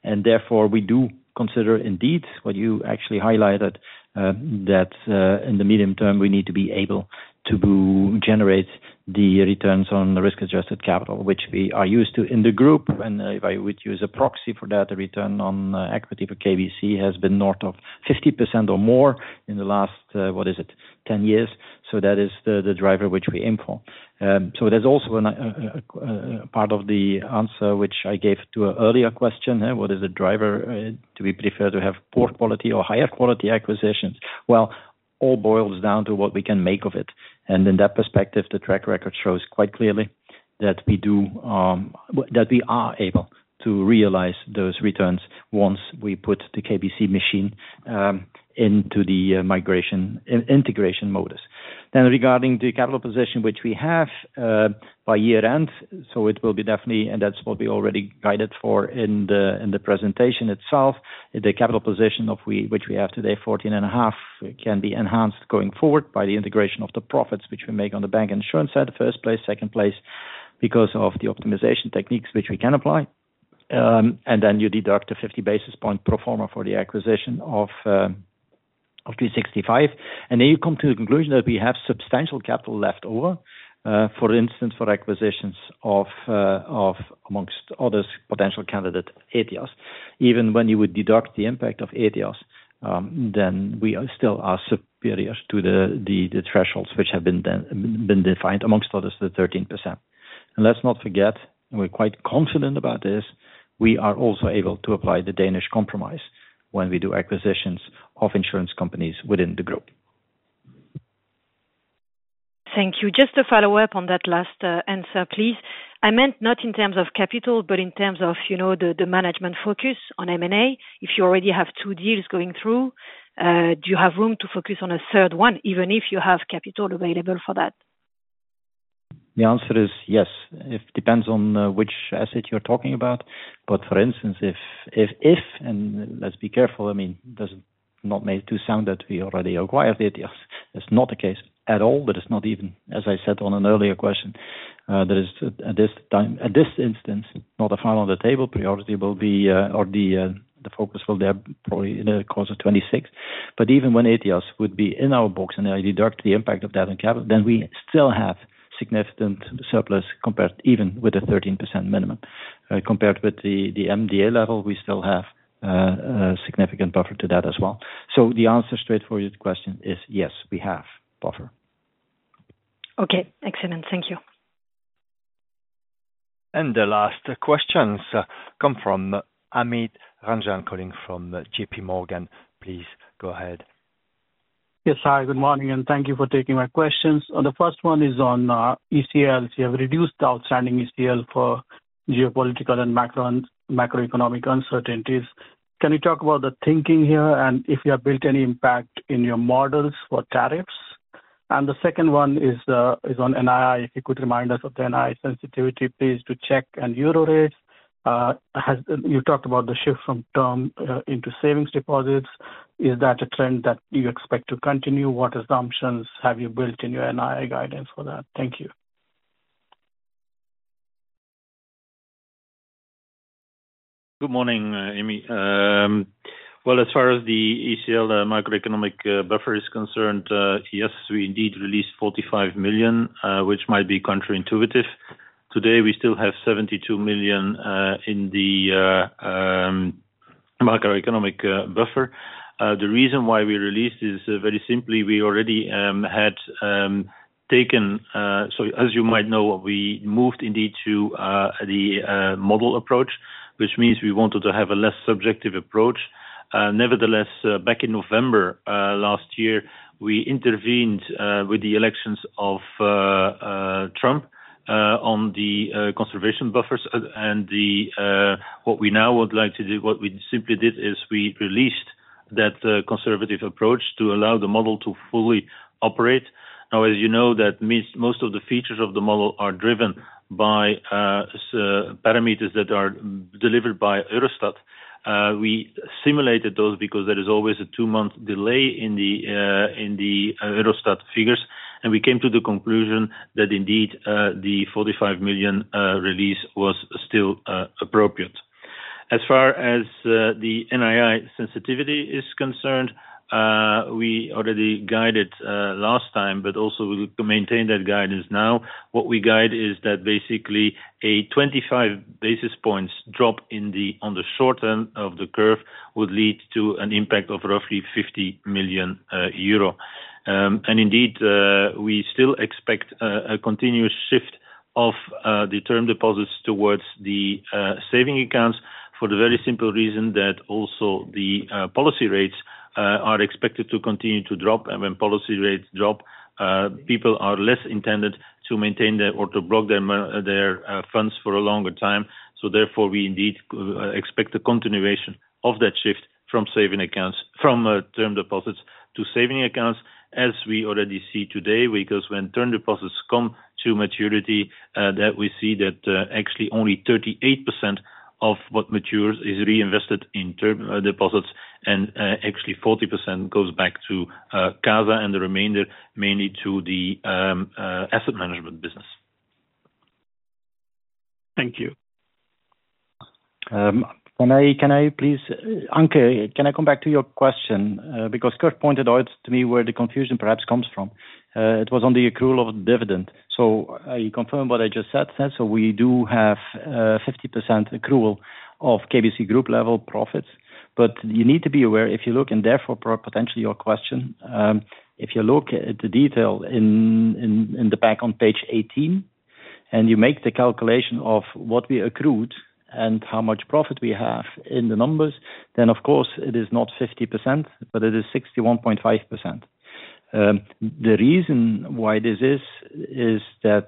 Therefore, we do consider indeed what you actually highlighted, that in the medium term, we need to be able to generate the returns on the risk-adjusted capital, which we are used to in the group. If I would use a proxy for that, the return on equity for KBC has been north of 50% or more in the last, what is it, 10 years. That is the driver which we aim for. There is also a part of the answer which I gave to an earlier question. What is the driver? Do we prefer to have poor quality or higher quality acquisitions? It all boils down to what we can make of it. In that perspective, the track record shows quite clearly that we are able to realize those returns once we put the KBC machine into the integration modus. Regarding the capital position which we have by year-end, it will be definitely, and that is what we already guided for in the presentation itself. The capital position which we have today, 14.5%, can be enhanced going forward by the integration of the profits which we make on the bank insurance side, first place, second place, because of the optimization techniques which we can apply. You deduct the 50 basis point proforma for the acquisition of 365. You come to the conclusion that we have substantial capital left over, for instance, for acquisitions of, amongst others, potential candidate Ethias. Even when you would deduct the impact of Ethias, we still are superior to the thresholds which have been defined, amongst others, the 13%. Let's not forget, and we're quite confident about this, we are also able to apply the Danish compromise when we do acquisitions of insurance companies within the group. Thank you. Just to follow up on that last answer, please. I meant not in terms of capital, but in terms of the management focus on M&A. If you already have two deals going through, do you have room to focus on a third one, even if you have capital available for that? The answer is yes. It depends on which asset you're talking about. For instance, if, and let's be careful, I mean, does it not make to sound that we already acquired Ethias? That's not the case at all. That is not even, as I said on an earlier question, that is, at this instance, not a file on the table, priority will be, or the focus will be probably in the course of 2026. Even when Ethias would be in our books and I deduct the impact of that on capital, we still have significant surplus compared even with a 13% minimum. Compared with the MDA level, we still have a significant buffer to that as well. The answer straightforward to the question is yes, we have buffer. Okay. Excellent. Thank you. The last questions come from Amit Ranjan calling from J.P. Morgan. Please go ahead. Yes, hi. Good morning, and thank you for taking my questions. The first one is on ECLs. You have reduced outstanding ECL for geopolitical and macroeconomic uncertainties. Can you talk about the thinking here and if you have built any impact in your models for tariffs? The second one is on NII. If you could remind us of the NII sensitivity, please, to check and Eurorate. You talked about the shift from term into savings deposits. Is that a trend that you expect to continue? What assumptions have you built in your NII guidance for that? Thank you. Good morning, Amit. As far as the ECL, the macroeconomic buffer is concerned, yes, we indeed released 45 million, which might be counterintuitive. Today, we still have 72 million in the macroeconomic buffer. The reason why we released is very simply we already had taken, so as you might know, we moved indeed to the model approach, which means we wanted to have a less subjective approach. Nevertheless, back in November last year, we intervened with the elections of Trump on the conservation buffers. What we now would like to do, what we simply did is we released that conservative approach to allow the model to fully operate. Now, as you know, that means most of the features of the model are driven by parameters that are delivered by Eurostat. We simulated those because there is always a two-month delay in the Eurostat figures. We came to the conclusion that indeed the 45 million release was still appropriate. As far as the NII sensitivity is concerned, we already guided last time, but also we maintain that guidance now. What we guide is that basically a 25 basis points drop on the short end of the curve would lead to an impact of roughly 50 million euro. We still expect a continuous shift of the term deposits towards the saving accounts for the very simple reason that also the policy rates are expected to continue to drop. When policy rates drop, people are less intended to maintain or to block their funds for a longer time. Therefore, we indeed expect a continuation of that shift from term deposits to saving accounts, as we already see today, because when term deposits come to maturity, we see that actually only 38% of what matures is reinvested in term deposits, and actually 40% goes back to KAZA and the remainder mainly to the asset management business. Thank you. Can I please, Anke, can I come back to your question? Because Kurt pointed out to me where the confusion perhaps comes from. It was on the accrual of dividend. I confirm what I just said. We do have 50% accrual of KBC Group level profits. You need to be aware, if you look, and therefore potentially your question, if you look at the detail in the back on page 18, and you make the calculation of what we accrued and how much profit we have in the numbers, then, of course, it is not 50%, but it is 61.5%. The reason why this is is that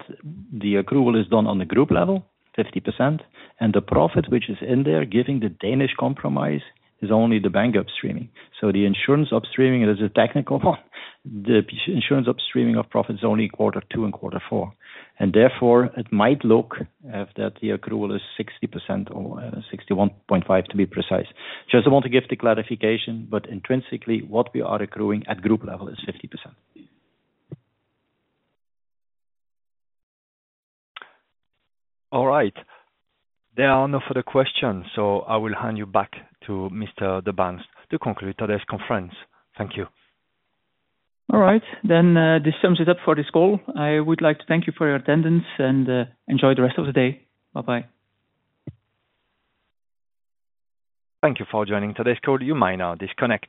the accrual is done on the group level, 50%, and the profit which is in there given the Danish compromise is only the bank upstreaming. The insurance upstreaming, it is a technical one. The insurance upstreaming of profit is only quarter two and quarter four. Therefore, it might look that the accrual is 60% or 61.5%, to be precise. Just want to give the clarification, but intrinsically, what we are accruing at group level is 50%. All right. There are no further questions, so I will hand you back to Mr. De Baenst to conclude today's conference. Thank you. All right. This sums it up for this call. I would like to thank you for your attendance and enjoy the rest of the day. Bye-bye. Thank you for joining today's call. You may now disconnect.